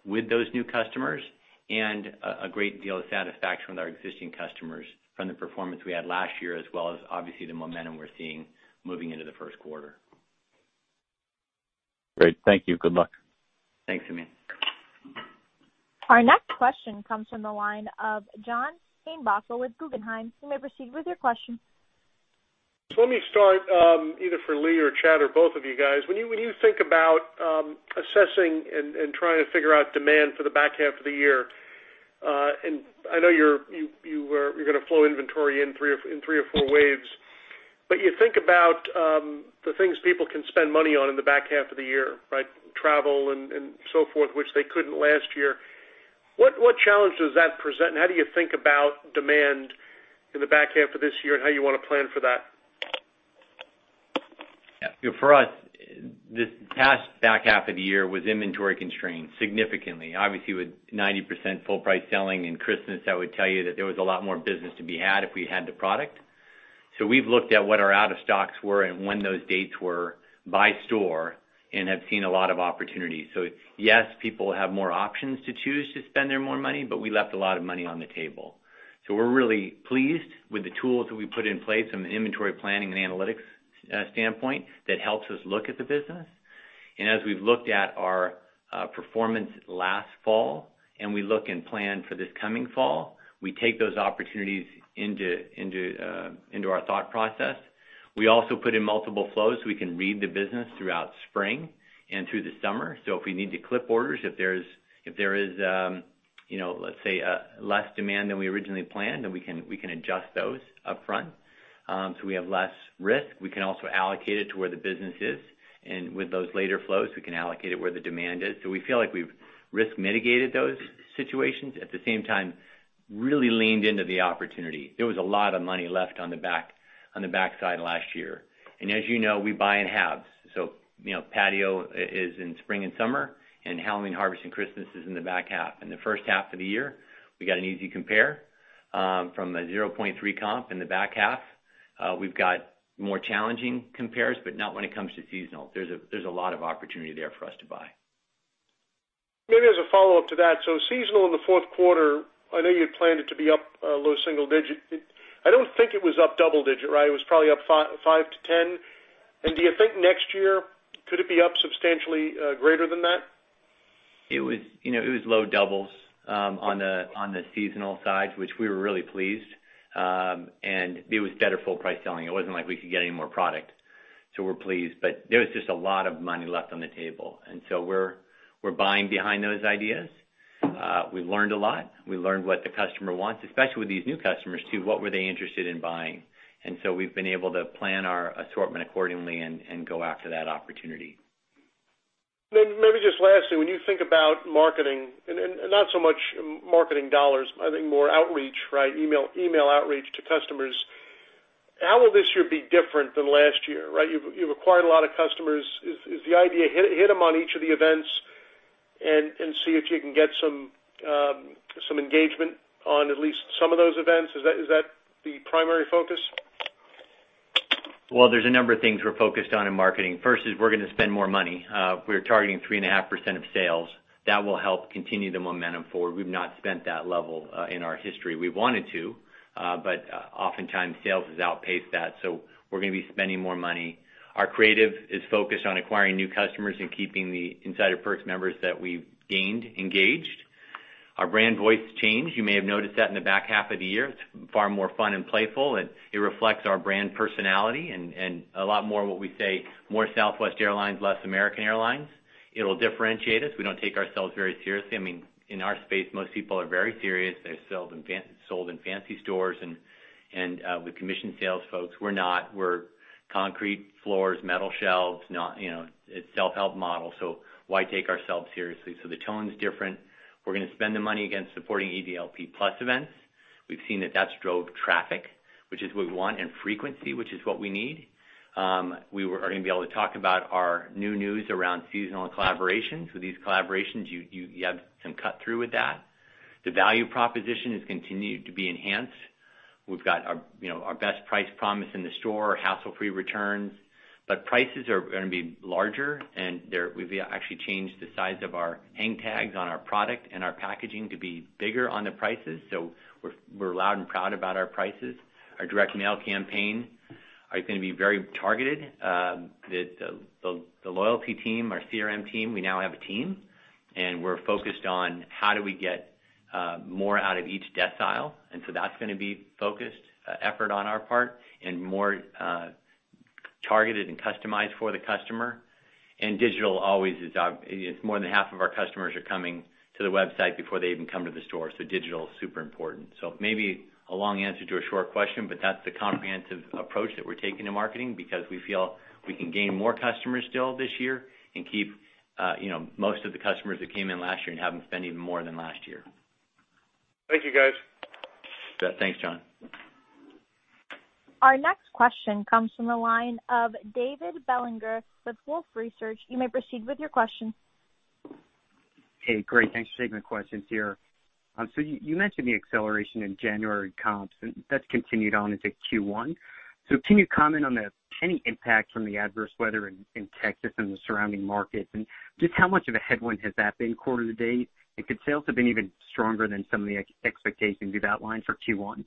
with those new customers and a great deal of satisfaction with our existing customers from the performance we had last year, as well as obviously the momentum we're seeing moving into the first quarter. Great. Thank you. Good luck. Thanks, Simeon. Our next question comes from the line of John Heinbockel with Guggenheim. You may proceed with your question. Let me start either for Lee or Chad or both of you guys. When you think about assessing and trying to figure out demand for the back half of the year, and I know you're going to flow inventory in three or four waves, but you think about the things people can spend money on in the back half of the year, travel and so forth, which they couldn't last year. What challenge does that present? How do you think about demand in the back half of this year and how you want to plan for that? For us, this past back half of the year was inventory constrained significantly. Obviously, with 90% full price selling in Christmas, that would tell you that there was a lot more business to be had if we had the product. We've looked at what our out-of-stocks were and when those dates were by store and have seen a lot of opportunities. Yes, people have more options to choose to spend their more money, but we left a lot of money on the table. We're really pleased with the tools that we put in place from an inventory planning and analytics standpoint that helps us look at the business. As we've looked at our performance last fall, and we look and plan for this coming fall, we take those opportunities into our thought process. We also put in multiple flows so we can read the business throughout spring and through the summer. If we need to clip orders, if there is, let's say, less demand than we originally planned, then we can adjust those upfront. We have less risk. We can also allocate it to where the business is, and with those later flows, we can allocate it where the demand is. We feel like we've risk mitigated those situations. At the same time, really leaned into the opportunity. There was a lot of money left on the backside last year. As you know, we buy in halves. Patio is in spring and summer, and Halloween, Harvest, and Christmas is in the back half. In the first half of the year, we got an easy compare, from a 0.3% comp in the back half. We've got more challenging compares, not when it comes to seasonal. There's a lot of opportunity there for us to buy. Maybe as a follow-up to that, seasonal in the fourth quarter, I know you had planned it to be up, low single digit. I don't think it was up double digit, right? It was probably up 5 to 10. Do you think next year could it be up substantially greater than that? It was low doubles on the seasonal side, which we were really pleased. It was better full price selling. It wasn't like we could get any more product, so we're pleased. There was just a lot of money left on the table, and so we're buying behind those ideas. We learned a lot. We learned what the customer wants, especially with these new customers too. What were they interested in buying? We've been able to plan our assortment accordingly and go after that opportunity. Maybe just lastly, when you think about marketing, and not so much marketing dollars, I think more outreach, right? Email outreach to customers. How will this year be different than last year, right? You've acquired a lot of customers. Is the idea hit them on each of the events and see if you can get some engagement on at least some of those events? Is that the primary focus? Well, there's a number of things we're focused on in marketing. First is we're gonna spend more money. We're targeting 3.5% of sales. That will help continue the momentum forward. We've not spent that level in our history. We wanted to, but oftentimes sales has outpaced that, so we're gonna be spending more money. Our creative is focused on acquiring new customers and keeping the Insider Perks members that we've gained, engaged. Our brand voice changed. You may have noticed that in the back half of the year. It's far more fun and playful, and it reflects our brand personality and a lot more what we say, more Southwest Airlines, less American Airlines. It'll differentiate us. We don't take ourselves very seriously. I mean, in our space, most people are very serious. They're sold in fancy stores and with commission sales folks. We're not. We're concrete floors, metal shelves, it's self-help model, so why take ourselves seriously? The tone's different. We're gonna spend the money again supporting EDLP+ events. We've seen that that's drove traffic, which is what we want, and frequency, which is what we need. We are gonna be able to talk about our new news around seasonal collaborations. With these collaborations, you have some cut-through with that. The value proposition has continued to be enhanced. We've got our best price promise in the store, our hassle-free returns. Prices are gonna be larger, and we've actually changed the size of our hang tags on our product and our packaging to be bigger on the prices. We're loud and proud about our prices. Our direct mail campaign are gonna be very targeted. The loyalty team, our CRM team, we now have a team, and we're focused on how do we get more out of each decile. That's going to be focused effort on our part and more targeted and customized for the customer. Digital always is. More than half of our customers are coming to the website before they even come to the store, so digital is super important. Maybe a long answer to a short question, but that's the comprehensive approach that we're taking to marketing because we feel we can gain more customers still this year and keep most of the customers that came in last year and have them spend even more than last year. Thank you, guys. Thanks, John. Our next question comes from the line of David Bellinger with Wolfe Research. You may proceed with your question. Hey, great. Thanks for taking the questions here. You mentioned the acceleration in January comps, and that's continued on into Q1. Can you comment on any impact from the adverse weather in Texas and the surrounding markets, and just how much of a headwind has that been quarter-to-date? Could sales have been even stronger than some of the expectations you've outlined for Q1?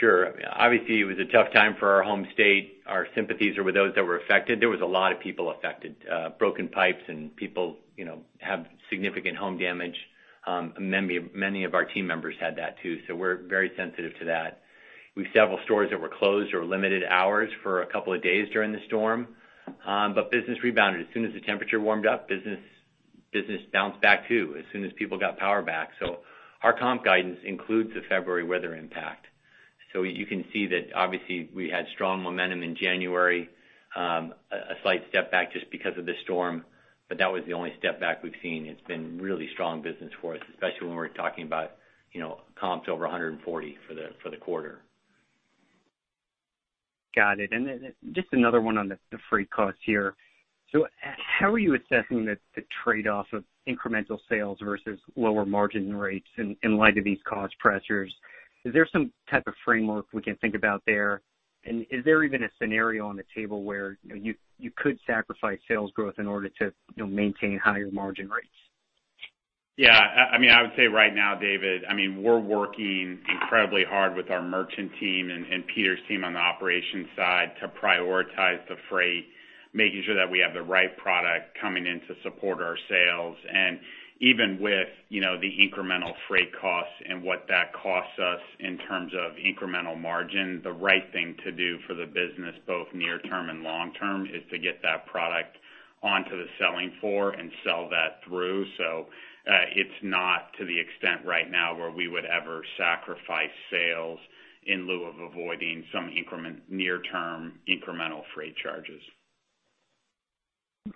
Sure. Obviously, it was a tough time for our home state. Our sympathies are with those that were affected. There was a lot of people affected, broken pipes and people have significant home damage. Many of our team members had that too, so we're very sensitive to that. We've several stores that were closed or limited hours for a couple of days during the storm. Business rebounded. As soon as the temperature warmed up, business bounced back, too, as soon as people got power back. Our comp guidance includes the February weather impact. You can see that obviously we had strong momentum in January, a slight step back just because of the storm, but that was the only step back we've seen. It's been really strong business for us, especially when we're talking about comps over 140% for the quarter. Got it. Just another one on the freight costs here. How are you assessing the trade-off of incremental sales versus lower margin rates in light of these cost pressures? Is there some type of framework we can think about there? Is there even a scenario on the table where you could sacrifice sales growth in order to maintain higher margin rates? Yeah. I would say right now, David, we're working incredibly hard with our merchant team and Peter's team on the operations side to prioritize the freight, making sure that we have the right product coming in to support our sales. Even with the incremental freight costs and what that costs us in terms of incremental margin, the right thing to do for the business, both near term and long term, is to get that product onto the selling floor and sell that through. It's not to the extent right now where we would ever sacrifice sales in lieu of avoiding some near term incremental freight charges.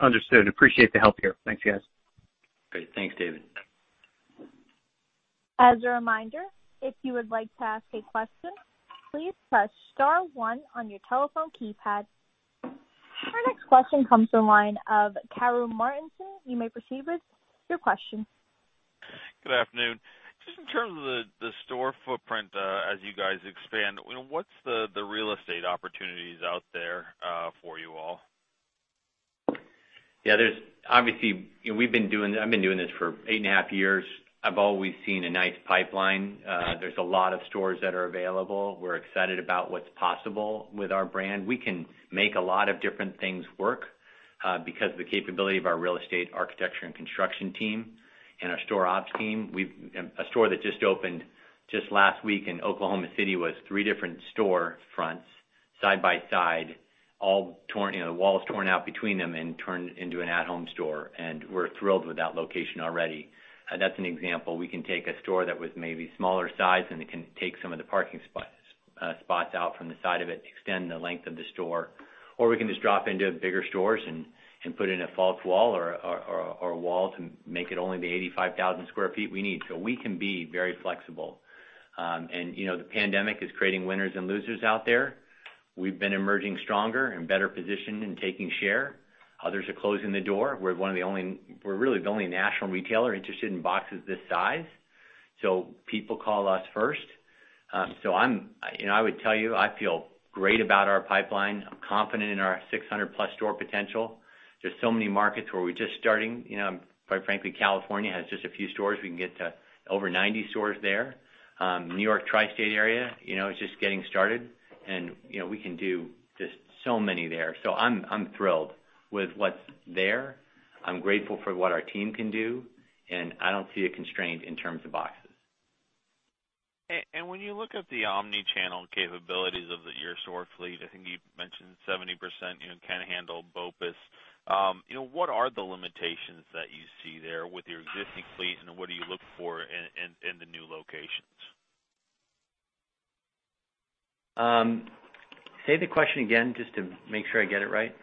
Understood. Appreciate the help here. Thanks, guys. Great. Thanks, David. As a reminder, if you would like to ask a question, please press star one on your telephone keypad. Our next question comes from the line of Karru Martinson. You may proceed with your question. Good afternoon. Just in terms of the store footprint, as you guys expand, what's the real estate opportunities out there, for you all? Yeah, obviously, I've been doing this for 8.5 Years. I've always seen a nice pipeline. There's a lot of stores that are available. We're excited about what's possible with our brand. We can make a lot of different things work, because of the capability of our real estate, architecture, and construction team and our store ops team. A store that just opened just last week in Oklahoma City was three different store fronts side by side, all walls torn out between them and turned into an At Home store, and we're thrilled with that location already. That's an example. We can take a store that was maybe smaller size, and it can take some of the parking spots out from the side of it to extend the length of the store, or we can just drop into bigger stores and put in a false wall or a wall to make it only the 85,000 sq ft we need. We can be very flexible. The pandemic is creating winners and losers out there. We've been emerging stronger and better positioned in taking share. Others are closing the door. We're really the only national retailer interested in boxes this size, so people call us first. I would tell you, I feel great about our pipeline. I'm confident in our 600+ store potential. There's so many markets where we're just starting. Quite frankly, California has just a few stores. We can get to over 90 stores there. New York Tri-State area is just getting started, and we can do just so many there. I'm thrilled with what's there. I'm grateful for what our team can do, and I don't see a constraint in terms of boxes. When you look at the omni-channel capabilities of your store fleet, I think you mentioned 70% can handle BOPUS. What are the limitations that you see there with your existing fleet, and what do you look for in the new locations? Say the question again just to make sure I get it right?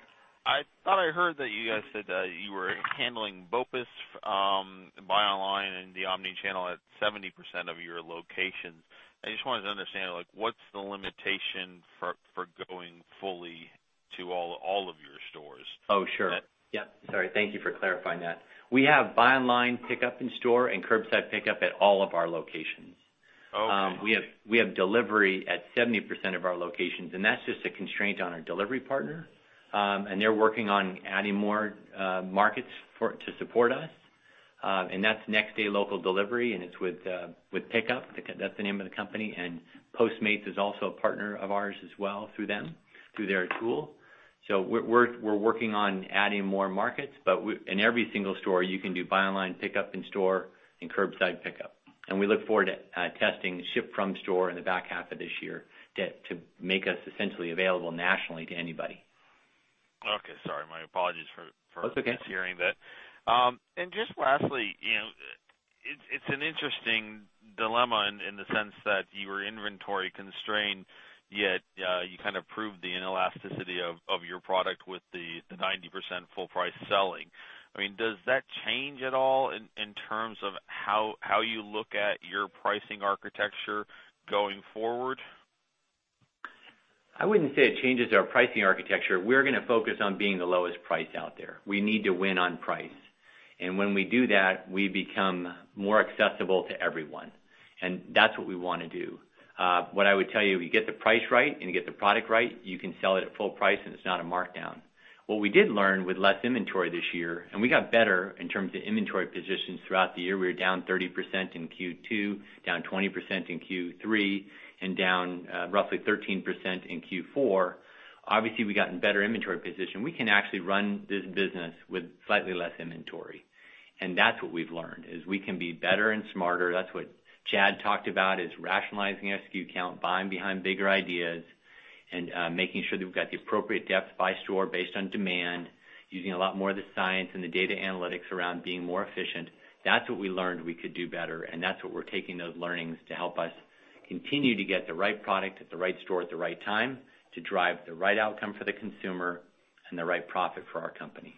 I thought I heard that you guys said that you were handling BOPUS, buy online and the omni-channel at 70% of your locations. I just wanted to understand what's the limitation for going fully to all of your stores? Oh, sure. Yep. Sorry. Thank you for clarifying that. We have buy online, pick up in store, and curbside pickup at all of our locations. Okay. We have delivery at 70% of our locations. That's just a constraint on our delivery partner. They're working on adding more markets to support us, and that's next day local delivery, and it's with PICKUP. That's the name of the company, and Postmates is also a partner of ours as well through them, through their tool. We're working on adding more markets, but in every single store, you can do buy online, pickup in store, and curbside pickup. We look forward to testing ship from store in the back half of this year to make us essentially available nationally to anybody. Okay. Sorry. My apologies for- That's okay. mishearing that. Just lastly, it's an interesting dilemma in the sense that you were inventory constrained, yet you kind of proved the inelasticity of your product with the 90% full price selling. Does that change at all in terms of how you look at your pricing architecture going forward? I wouldn't say it changes our pricing architecture. We're going to focus on being the lowest price out there. We need to win on price. When we do that, we become more accessible to everyone, and that's what we want to do. What I would tell you, if you get the price right and you get the product right, you can sell it at full price and it's not a markdown. What we did learn with less inventory this year, and we got better in terms of inventory positions throughout the year. We were down 30% in Q2, down 20% in Q3, and down roughly 13% in Q4. Obviously, we got in a better inventory position. We can actually run this business with slightly less inventory, and that's what we've learned, is we can be better and smarter. That's what Chad talked about, is rationalizing SKU count, buying behind bigger ideas, and making sure that we've got the appropriate depth by store based on demand, using a lot more of the science and the data analytics around being more efficient. That's what we learned we could do better, and that's what we're taking those learnings to help us continue to get the right product at the right store at the right time to drive the right outcome for the consumer and the right profit for our company.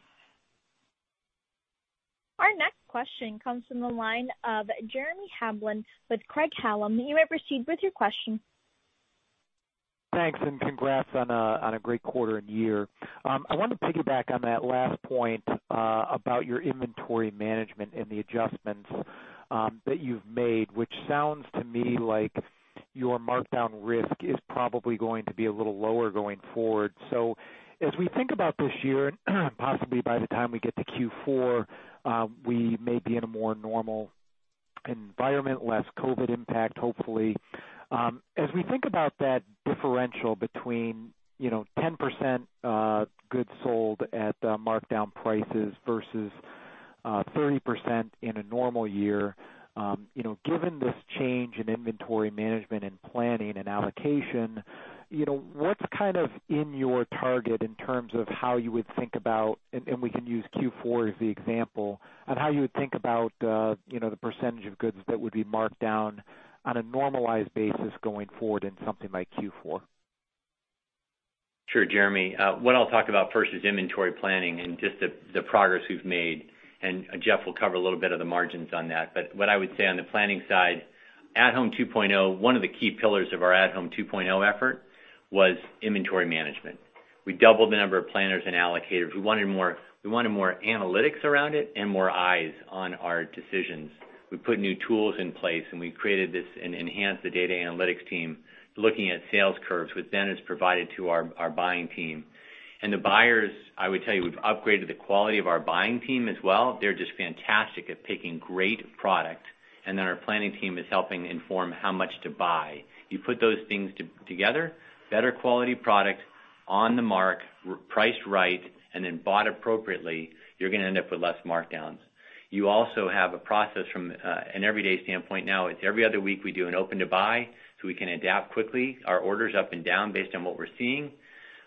Our next question comes from the line of Jeremy Hamblin with Craig-Hallum. You may proceed with your question. Thanks, congrats on a great quarter and year. I wanted to piggyback on that last point about your inventory management and the adjustments that you've made, which sounds to me like your markdown risk is probably going to be a little lower going forward. As we think about this year, and possibly by the time we get to Q4, we may be in a more normal environment, less COVID impact, hopefully. As we think about that differential between 10% goods sold at markdown prices versus 30% in a normal year. Given this change in inventory management and planning and allocation, what's in your target in terms of how you would think about, and we can use Q4 as the example, on how you would think about the percentage of goods that would be marked down on a normalized basis going forward in something like Q4? Sure. Jeremy. What I'll talk about first is inventory planning and just the progress we've made, and Jeff will cover a little bit of the margins on that. What I would say on the planning side, At Home 2.0, one of the key pillars of our At Home 2.0 effort was inventory management. We doubled the number of planners and allocators. We wanted more analytics around it and more eyes on our decisions. We put new tools in place, and we created this and enhanced the data analytics team looking at sales curves, which then is provided to our buying team. The buyers, I would tell you, we've upgraded the quality of our buying team as well. They're just fantastic at picking great product. Then our planning team is helping inform how much to buy. You put those things together, better quality product on the mark, priced right, and then bought appropriately, you're going to end up with less markdowns. You also have a process from an everyday standpoint now. It's every other week, we do an open to buy so we can adapt quickly our orders up and down based on what we're seeing.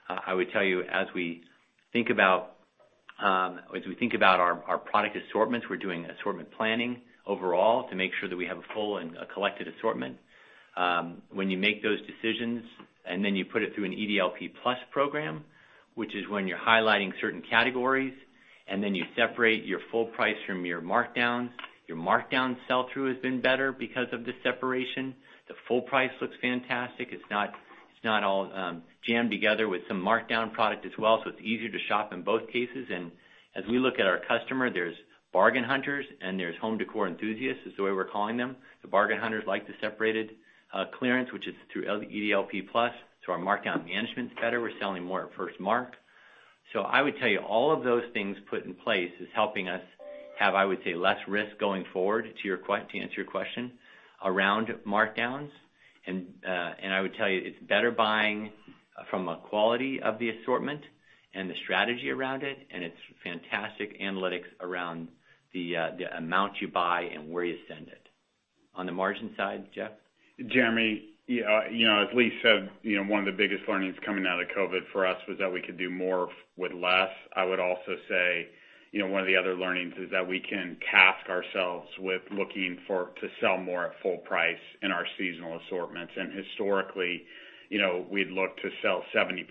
I would tell you, as we think about our product assortments, we're doing assortment planning overall to make sure that we have a full and a collected assortment. When you make those decisions and then you put it through an EDLP+ program, which is when you're highlighting certain categories, and then you separate your full price from your markdowns. Your markdown sell-through has been better because of the separation. The full price looks fantastic. It's not all jammed together with some markdown product as well, so it's easier to shop in both cases. As we look at our customer, there's bargain hunters and there's home decor enthusiasts, is the way we're calling them. The bargain hunters like the separated clearance, which is through EDLP+. Our markdown management's better. We're selling more at first mark. I would tell you, all of those things put in place is helping us have, I would say, less risk going forward, to answer your question, around markdowns. I would tell you, it's better buying from a quality of the assortment and the strategy around it, and it's fantastic analytics around the amount you buy and where you send it. On the margin side, Jeff? Jeremy. As Lee said, one of the biggest learnings coming out of COVID for us was that we could do more with less. I would also say, one of the other learnings is that we can task ourselves with looking to sell more at full price in our seasonal assortments. Historically, we'd look to sell 70%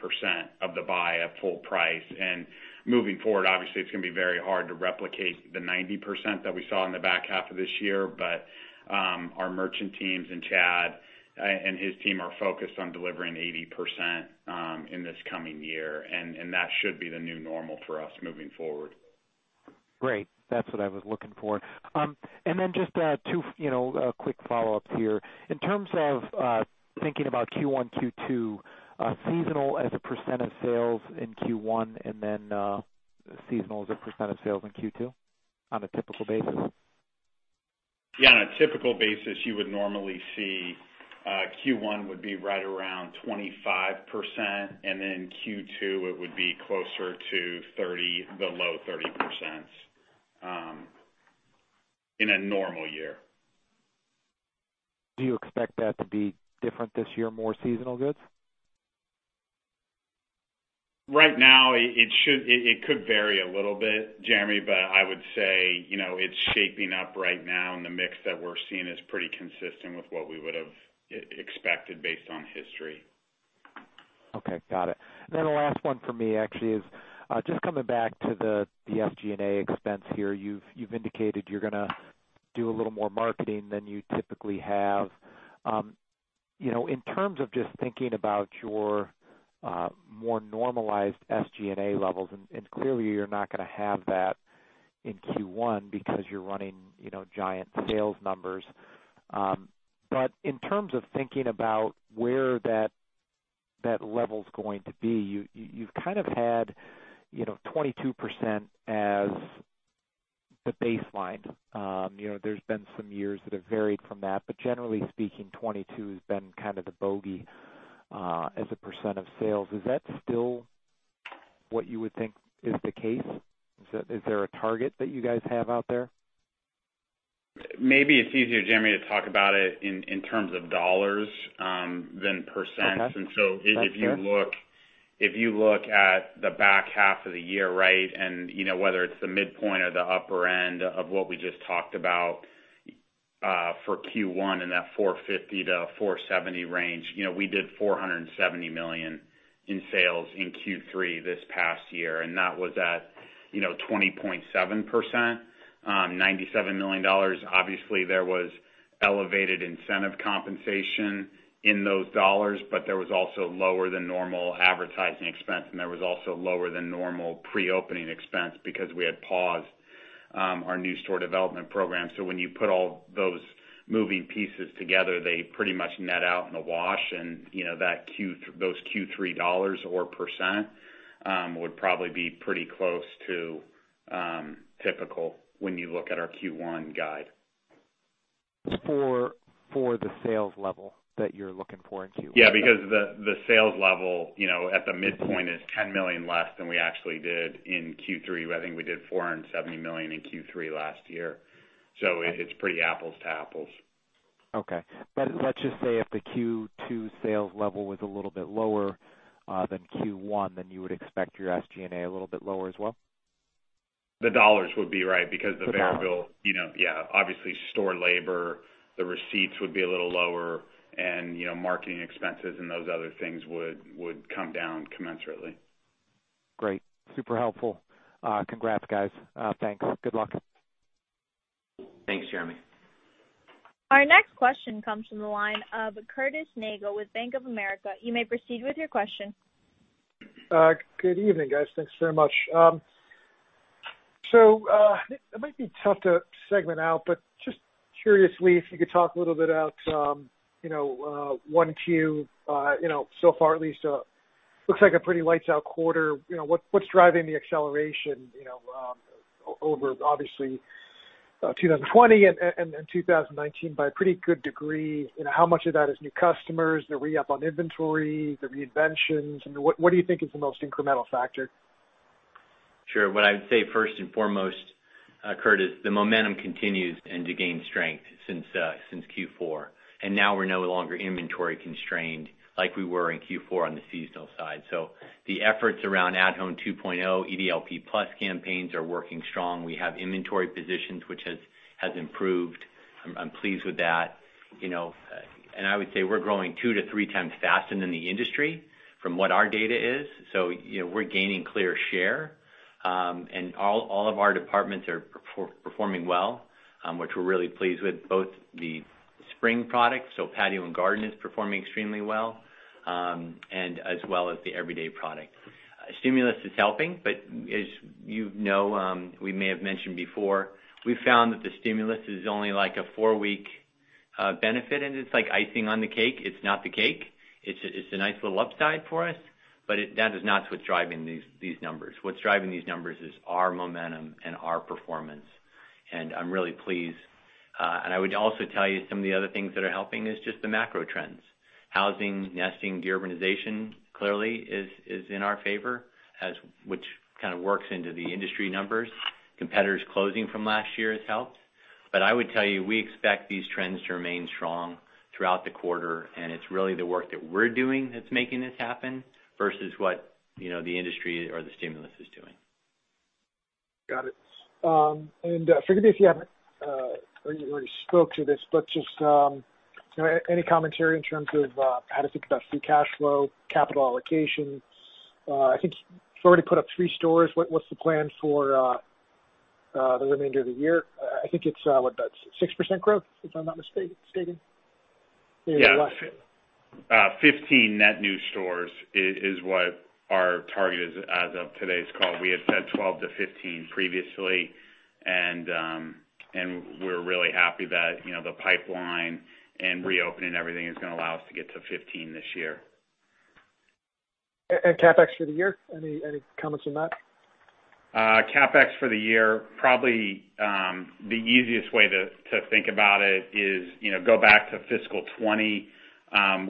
of the buy at full price. Moving forward, obviously, it's going to be very hard to replicate the 90% that we saw in the back half of this year. Our merchant teams and Chad and his team are focused on delivering 80% in this coming year, and that should be the new normal for us moving forward. Great. That's what I was looking for. Just two quick follow-ups here. In terms of thinking about Q1, Q2, seasonal as a percent of sales in Q1, and then seasonal as a percent of sales in Q2 on a typical basis. Yeah, on a typical basis, you would normally see Q1 would be right around 25%, and then Q2, it would be closer to 30%, the low 30% in a normal year. Do you expect that to be different this year, more seasonal goods? Right now, it could vary a little bit, Jeremy, but I would say, it's shaping up right now, and the mix that we're seeing is pretty consistent with what we would have expected based on history. Okay. Got it. The last one for me actually is just coming back to the SG&A expense here. You've indicated you're going to do a little more marketing than you typically have. In terms of just thinking about your more normalized SG&A levels, and clearly you're not going to have that in Q1 because you're running giant sales numbers. In terms of thinking about where that level's going to be, you've kind of had 22% as the baseline. There's been some years that have varied from that, but generally speaking, 22% has been kind of the bogey as a percent of sales. Is that still what you would think is the case? Is there a target that you guys have out there? Maybe it's easier, Jeremy, to talk about it in terms of dollars than percents. Okay. That's fair. If you look at the back half of the year, right, and whether it's the midpoint or the upper end of what we just talked about for Q1, in that $450 million-$470 million range. We did $470 million in sales in Q3 this past year, and that was at 20.7%. $97 million. Obviously, there was elevated incentive compensation in those dollars, but there was also lower than normal advertising expense, and there was also lower than normal pre-opening expense because we had paused our new store development program. When you put all those moving pieces together, they pretty much net out in the wash and those Q3 dollars or percent would probably be pretty close to typical when you look at our Q1 guide. For the sales level that you're looking for in Q1. Yeah, because the sales level at the midpoint is $10 million less than we actually did in Q3. I think we did $470 million in Q3 last year. It's pretty apples to apples. Okay. Let's just say if the Q2 sales level was a little bit lower than Q1, then you would expect your SG&A a little bit lower as well? The dollars would be right. The dollars. Obviously, store labor, the receipts would be a little lower and marketing expenses and those other things would come down commensurately. Great. Super helpful. Congrats, guys. Thanks. Good luck. Thanks, Jeremy. Our next question comes from the line of Curtis Nagle with Bank of America. You may proceed with your question. Good evening, guys. Thanks very much. It might be tough to segment out, but just curiously, if you could talk a little bit about 1Q. Far at least, looks like a pretty lights out quarter. What's driving the acceleration over, obviously, 2020 and 2019 by a pretty good degree? How much of that is new customers? The re-up on inventory, the reinventions, what do you think is the most incremental factor? Sure. What I would say first and foremost, Curtis, the momentum continues to gain strength since Q4. Now we're no longer inventory constrained like we were in Q4 on the seasonal side. The efforts around At Home 2.0, EDLP+ campaigns are working strong. We have inventory positions which has improved. I'm pleased with that. I would say we're growing two to three times faster than the industry from what our data is. We're gaining clear share. All of our departments are performing well, which we're really pleased with, both the spring products, patio and garden is performing extremely well, as well as the everyday product. Stimulus is helping, as you know, we may have mentioned before, we found that the stimulus is only like a four-week benefit, it's like icing on the cake. It's not the cake. It's a nice little upside for us, but that is not what's driving these numbers. What's driving these numbers is our momentum and our performance, and I'm really pleased. I would also tell you some of the other things that are helping is just the macro trends. Housing, nesting, de-urbanization, clearly is in our favor, which kind of works into the industry numbers. Competitors closing from last year has helped. I would tell you, we expect these trends to remain strong throughout the quarter, and it's really the work that we're doing that's making this happen versus what the industry or the stimulus is doing. Got it. Forgive me if you already spoke to this, but just any commentary in terms of how to think about free cash flow, capital allocation? I think you've already put up three stores. What's the plan for the remainder of the year? I think it's, what, that's 6% growth, if I'm not mistaken. Yeah. 15 net new stores is what our target is as of today's call. We had said 12-15 previously, and we're really happy that the pipeline and reopening everything is going to allow us to get to 15 this year. CapEx for the year, any comments on that? CapEx for the year, probably the easiest way to think about it is go back to fiscal 2020.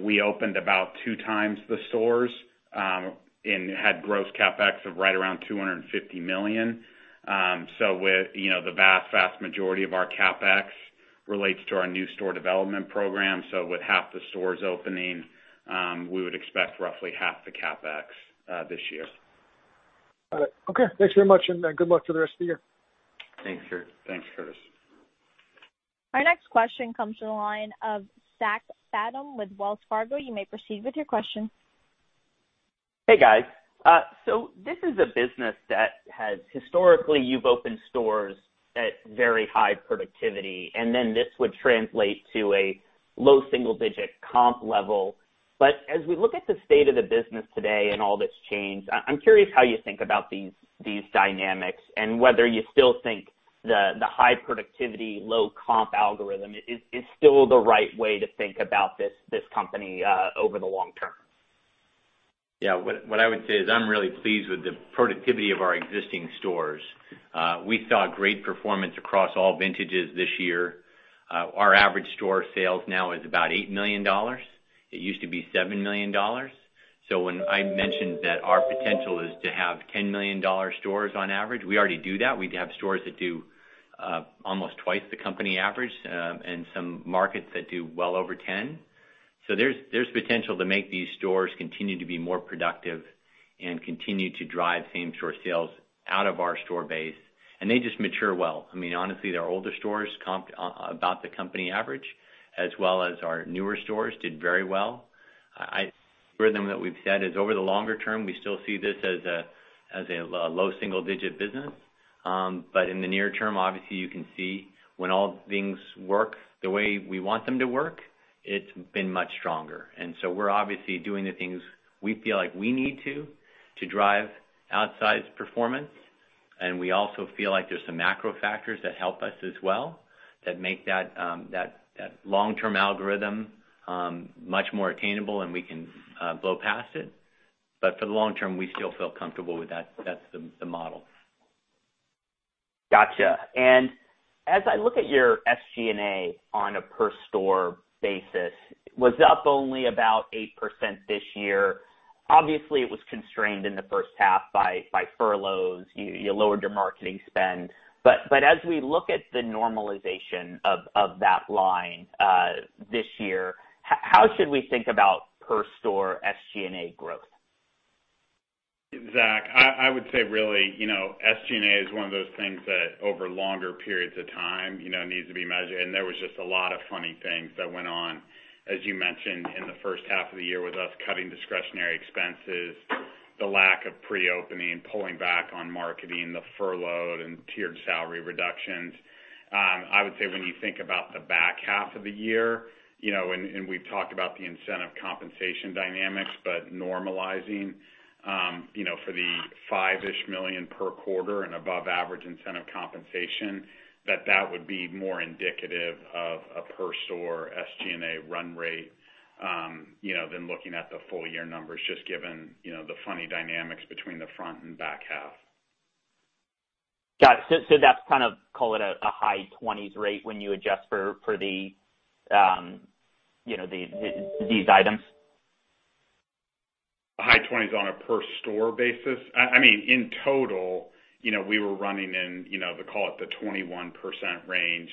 We opened about two times the stores and had gross CapEx of right around $250 million. The vast majority of our CapEx relates to our new store development program. With half the stores opening, we would expect roughly half the CapEx this year. Got it. Okay. Thanks very much, and good luck for the rest of the year. Thanks, Curtis. Thanks, Curtis. Our next question comes from the line of Zach Fadem with Wells Fargo. You may proceed with your question. Hey, guys. This is a business that historically, you've opened stores at very high productivity, and then this would translate to a low single-digit comp level. As we look at the state of the business today and all that's changed, I'm curious how you think about these dynamics and whether you still think the high productivity, low comp algorithm is still the right way to think about this company over the long term. Yeah. What I would say is I'm really pleased with the productivity of our existing stores. We saw great performance across all vintages this year. Our average store sales now is about $8 million. It used to be $7 million. When I mentioned that our potential is to have $10 million stores on average, we already do that. We have stores that do almost twice the company average, and some markets that do well over $10 million. There's potential to make these stores continue to be more productive Continue to drive same-store sales out of our store base. They just mature well. Honestly, their older stores comp about the company average, as well as our newer stores did very well. Algorithm that we've said is over the longer term, we still see this as a low single-digit business. In the near term, obviously you can see when all things work the way we want them to work, it's been much stronger. We're obviously doing the things we feel like we need to drive outsized performance, and we also feel like there's some macro factors that help us as well that make that long-term algorithm much more attainable and we can blow past it. For the long term, we still feel comfortable with that. That's the model. Got you. As I look at your SG&A on a per store basis, it was up only about 8% this year. Obviously, it was constrained in the first half by furloughs. You lowered your marketing spend. As we look at the normalization of that line this year, how should we think about per store SG&A growth? Zach, I would say really, SG&A is one of those things that over longer periods of time needs to be measured. There was just a lot of funny things that went on, as you mentioned, in the first half of the year with us cutting discretionary expenses, the lack of pre-opening, pulling back on marketing, the furlough and tiered salary reductions. I would say when you think about the back half of the year, we've talked about the incentive compensation dynamics, normalizing for the $5-ish million per quarter and above average incentive compensation, that would be more indicative of a per store SG&A run rate than looking at the full-year numbers, just given the funny dynamics between the front and back half. Got it. That's kind of, call it a high 20s rate when you adjust for these items? High 20s on a per store basis. In total, we were running in the, call it the 21% range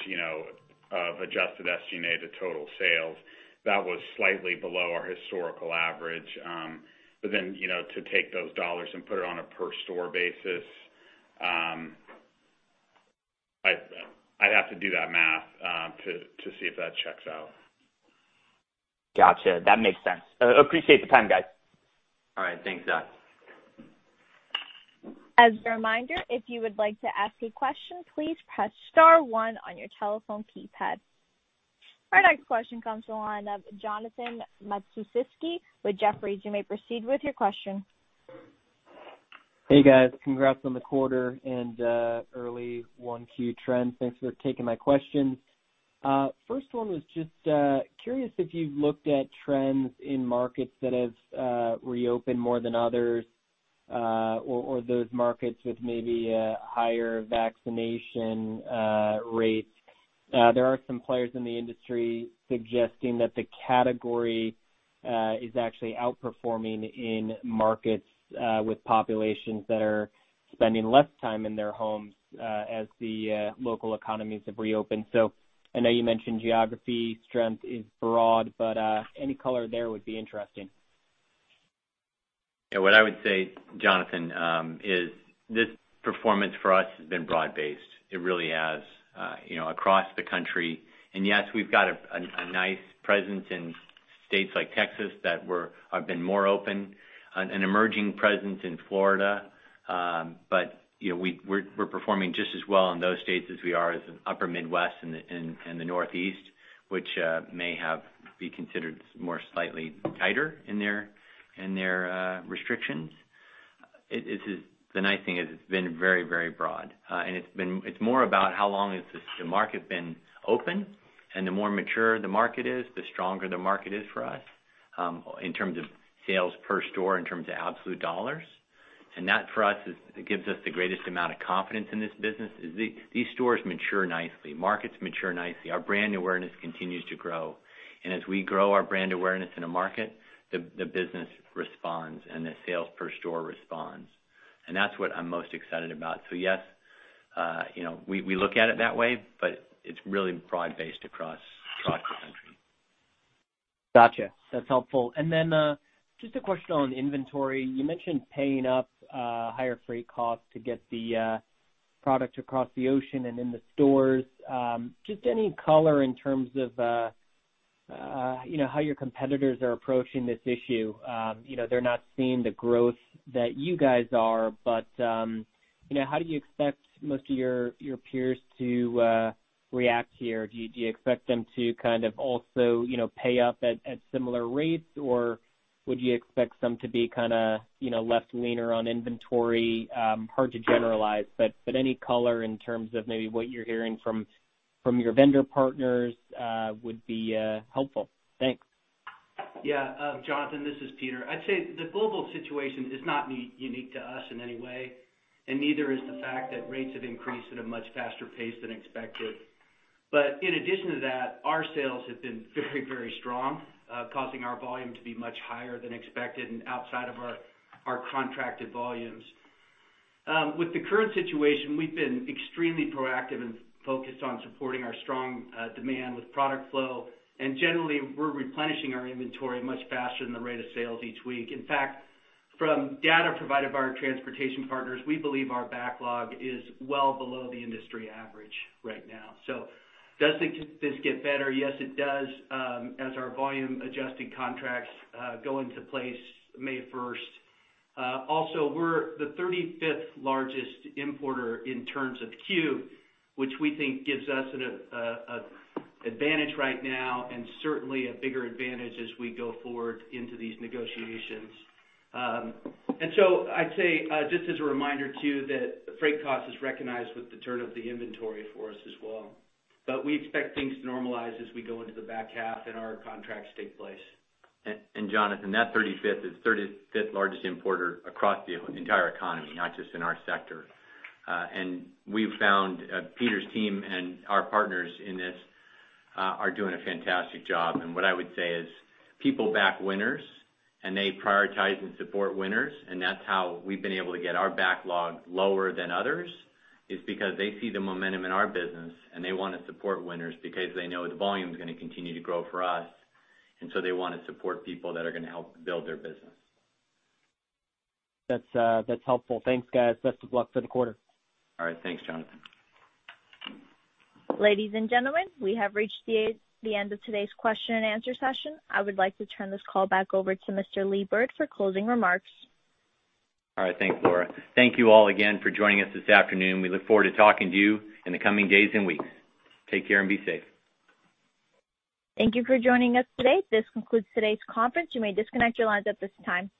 of adjusted SG&A to total sales. That was slightly below our historical average. To take those dollars and put it on a per store basis, I'd have to do that math, to see if that checks out. Got you. That makes sense. Appreciate the time, guys. All right. Thanks, Zach. As a reminder, if you would like to ask a question, please press star one on your telephone keypad. Our next question comes from the line of Jonathan Matuszewski with Jefferies. You may proceed with your question. Hey, guys. Congrats on the quarter and early 1Q trends. Thanks for taking my questions. First one was just curious if you've looked at trends in markets that have reopened more than others, or those markets with maybe higher vaccination rates. There are some players in the industry suggesting that the category is actually outperforming in markets with populations that are spending less time in their homes as the local economies have reopened. I know you mentioned geography strength is broad, but any color there would be interesting. What I would say, Jonathan, is this performance for us has been broad-based. It really has across the country. Yes, we've got a nice presence in states like Texas that have been more open, an emerging presence in Florida. We're performing just as well in those states as we are as in upper Midwest and the Northeast, which may be considered more slightly tighter in their restrictions. The nice thing is it's been very, very broad. It's more about how long has the market been open, and the more mature the market is, the stronger the market is for us, in terms of sales per store, in terms of absolute dollars. That for us, it gives us the greatest amount of confidence in this business, is these stores mature nicely. Markets mature nicely. Our brand awareness continues to grow. As we grow our brand awareness in a market, the business responds, and the sales per store responds. That's what I'm most excited about. Yes, we look at it that way, but it's really broad-based across the country. Got you. That's helpful. Just a question on inventory. You mentioned paying up higher freight costs to get the product across the ocean and in the stores. Just any color in terms of how your competitors are approaching this issue. They're not seeing the growth that you guys are, but how do you expect most of your peers to react here? Do you expect them to kind of also pay up at similar rates, or would you expect some to be kind of less leaner on inventory? Hard to generalize, but any color in terms of maybe what you're hearing from your vendor partners would be helpful. Thanks. Jonathan, this is Peter. I'd say the global situation is not unique to us in any way. Neither is the fact that rates have increased at a much faster pace than expected. In addition to that, our sales have been very, very strong, causing our volume to be much higher than expected and outside of our contracted volumes. With the current situation, we've been extremely proactive and focused on supporting our strong demand with product flow. Generally, we're replenishing our inventory much faster than the rate of sales each week. In fact, from data provided by our transportation partners, we believe our backlog is well below the industry average right now. Does this get better? Yes, it does, as our volume adjusting contracts go into place May 1st. We're the 35th largest importer in terms of SKU, which we think gives us an advantage right now and certainly a bigger advantage as we go forward into these negotiations. I'd say, just as a reminder, too, that freight cost is recognized with the turn of the inventory for us as well. We expect things to normalize as we go into the back half and our contracts take place. Jonathan, that 35th is 35th largest importer across the entire economy, not just in our sector. We've found Peter's team and our partners in this are doing a fantastic job. What I would say is people back winners, and they prioritize and support winners. That's how we've been able to get our backlog lower than others, is because they see the momentum in our business and they want to support winners because they know the volume is going to continue to grow for us. They want to support people that are going to help build their business. That's helpful. Thanks, guys. Best of luck for the quarter. All right. Thanks, Jonathan. Ladies and gentlemen, we have reached the end of today's question and answer session. I would like to turn this call back over to Mr. Lee Bird for closing remarks. All right. Thanks, Laura. Thank you all again for joining us this afternoon. We look forward to talking to you in the coming days and weeks. Take care and be safe. Thank you for joining us today. This concludes today's conference. You may disconnect your lines at this time.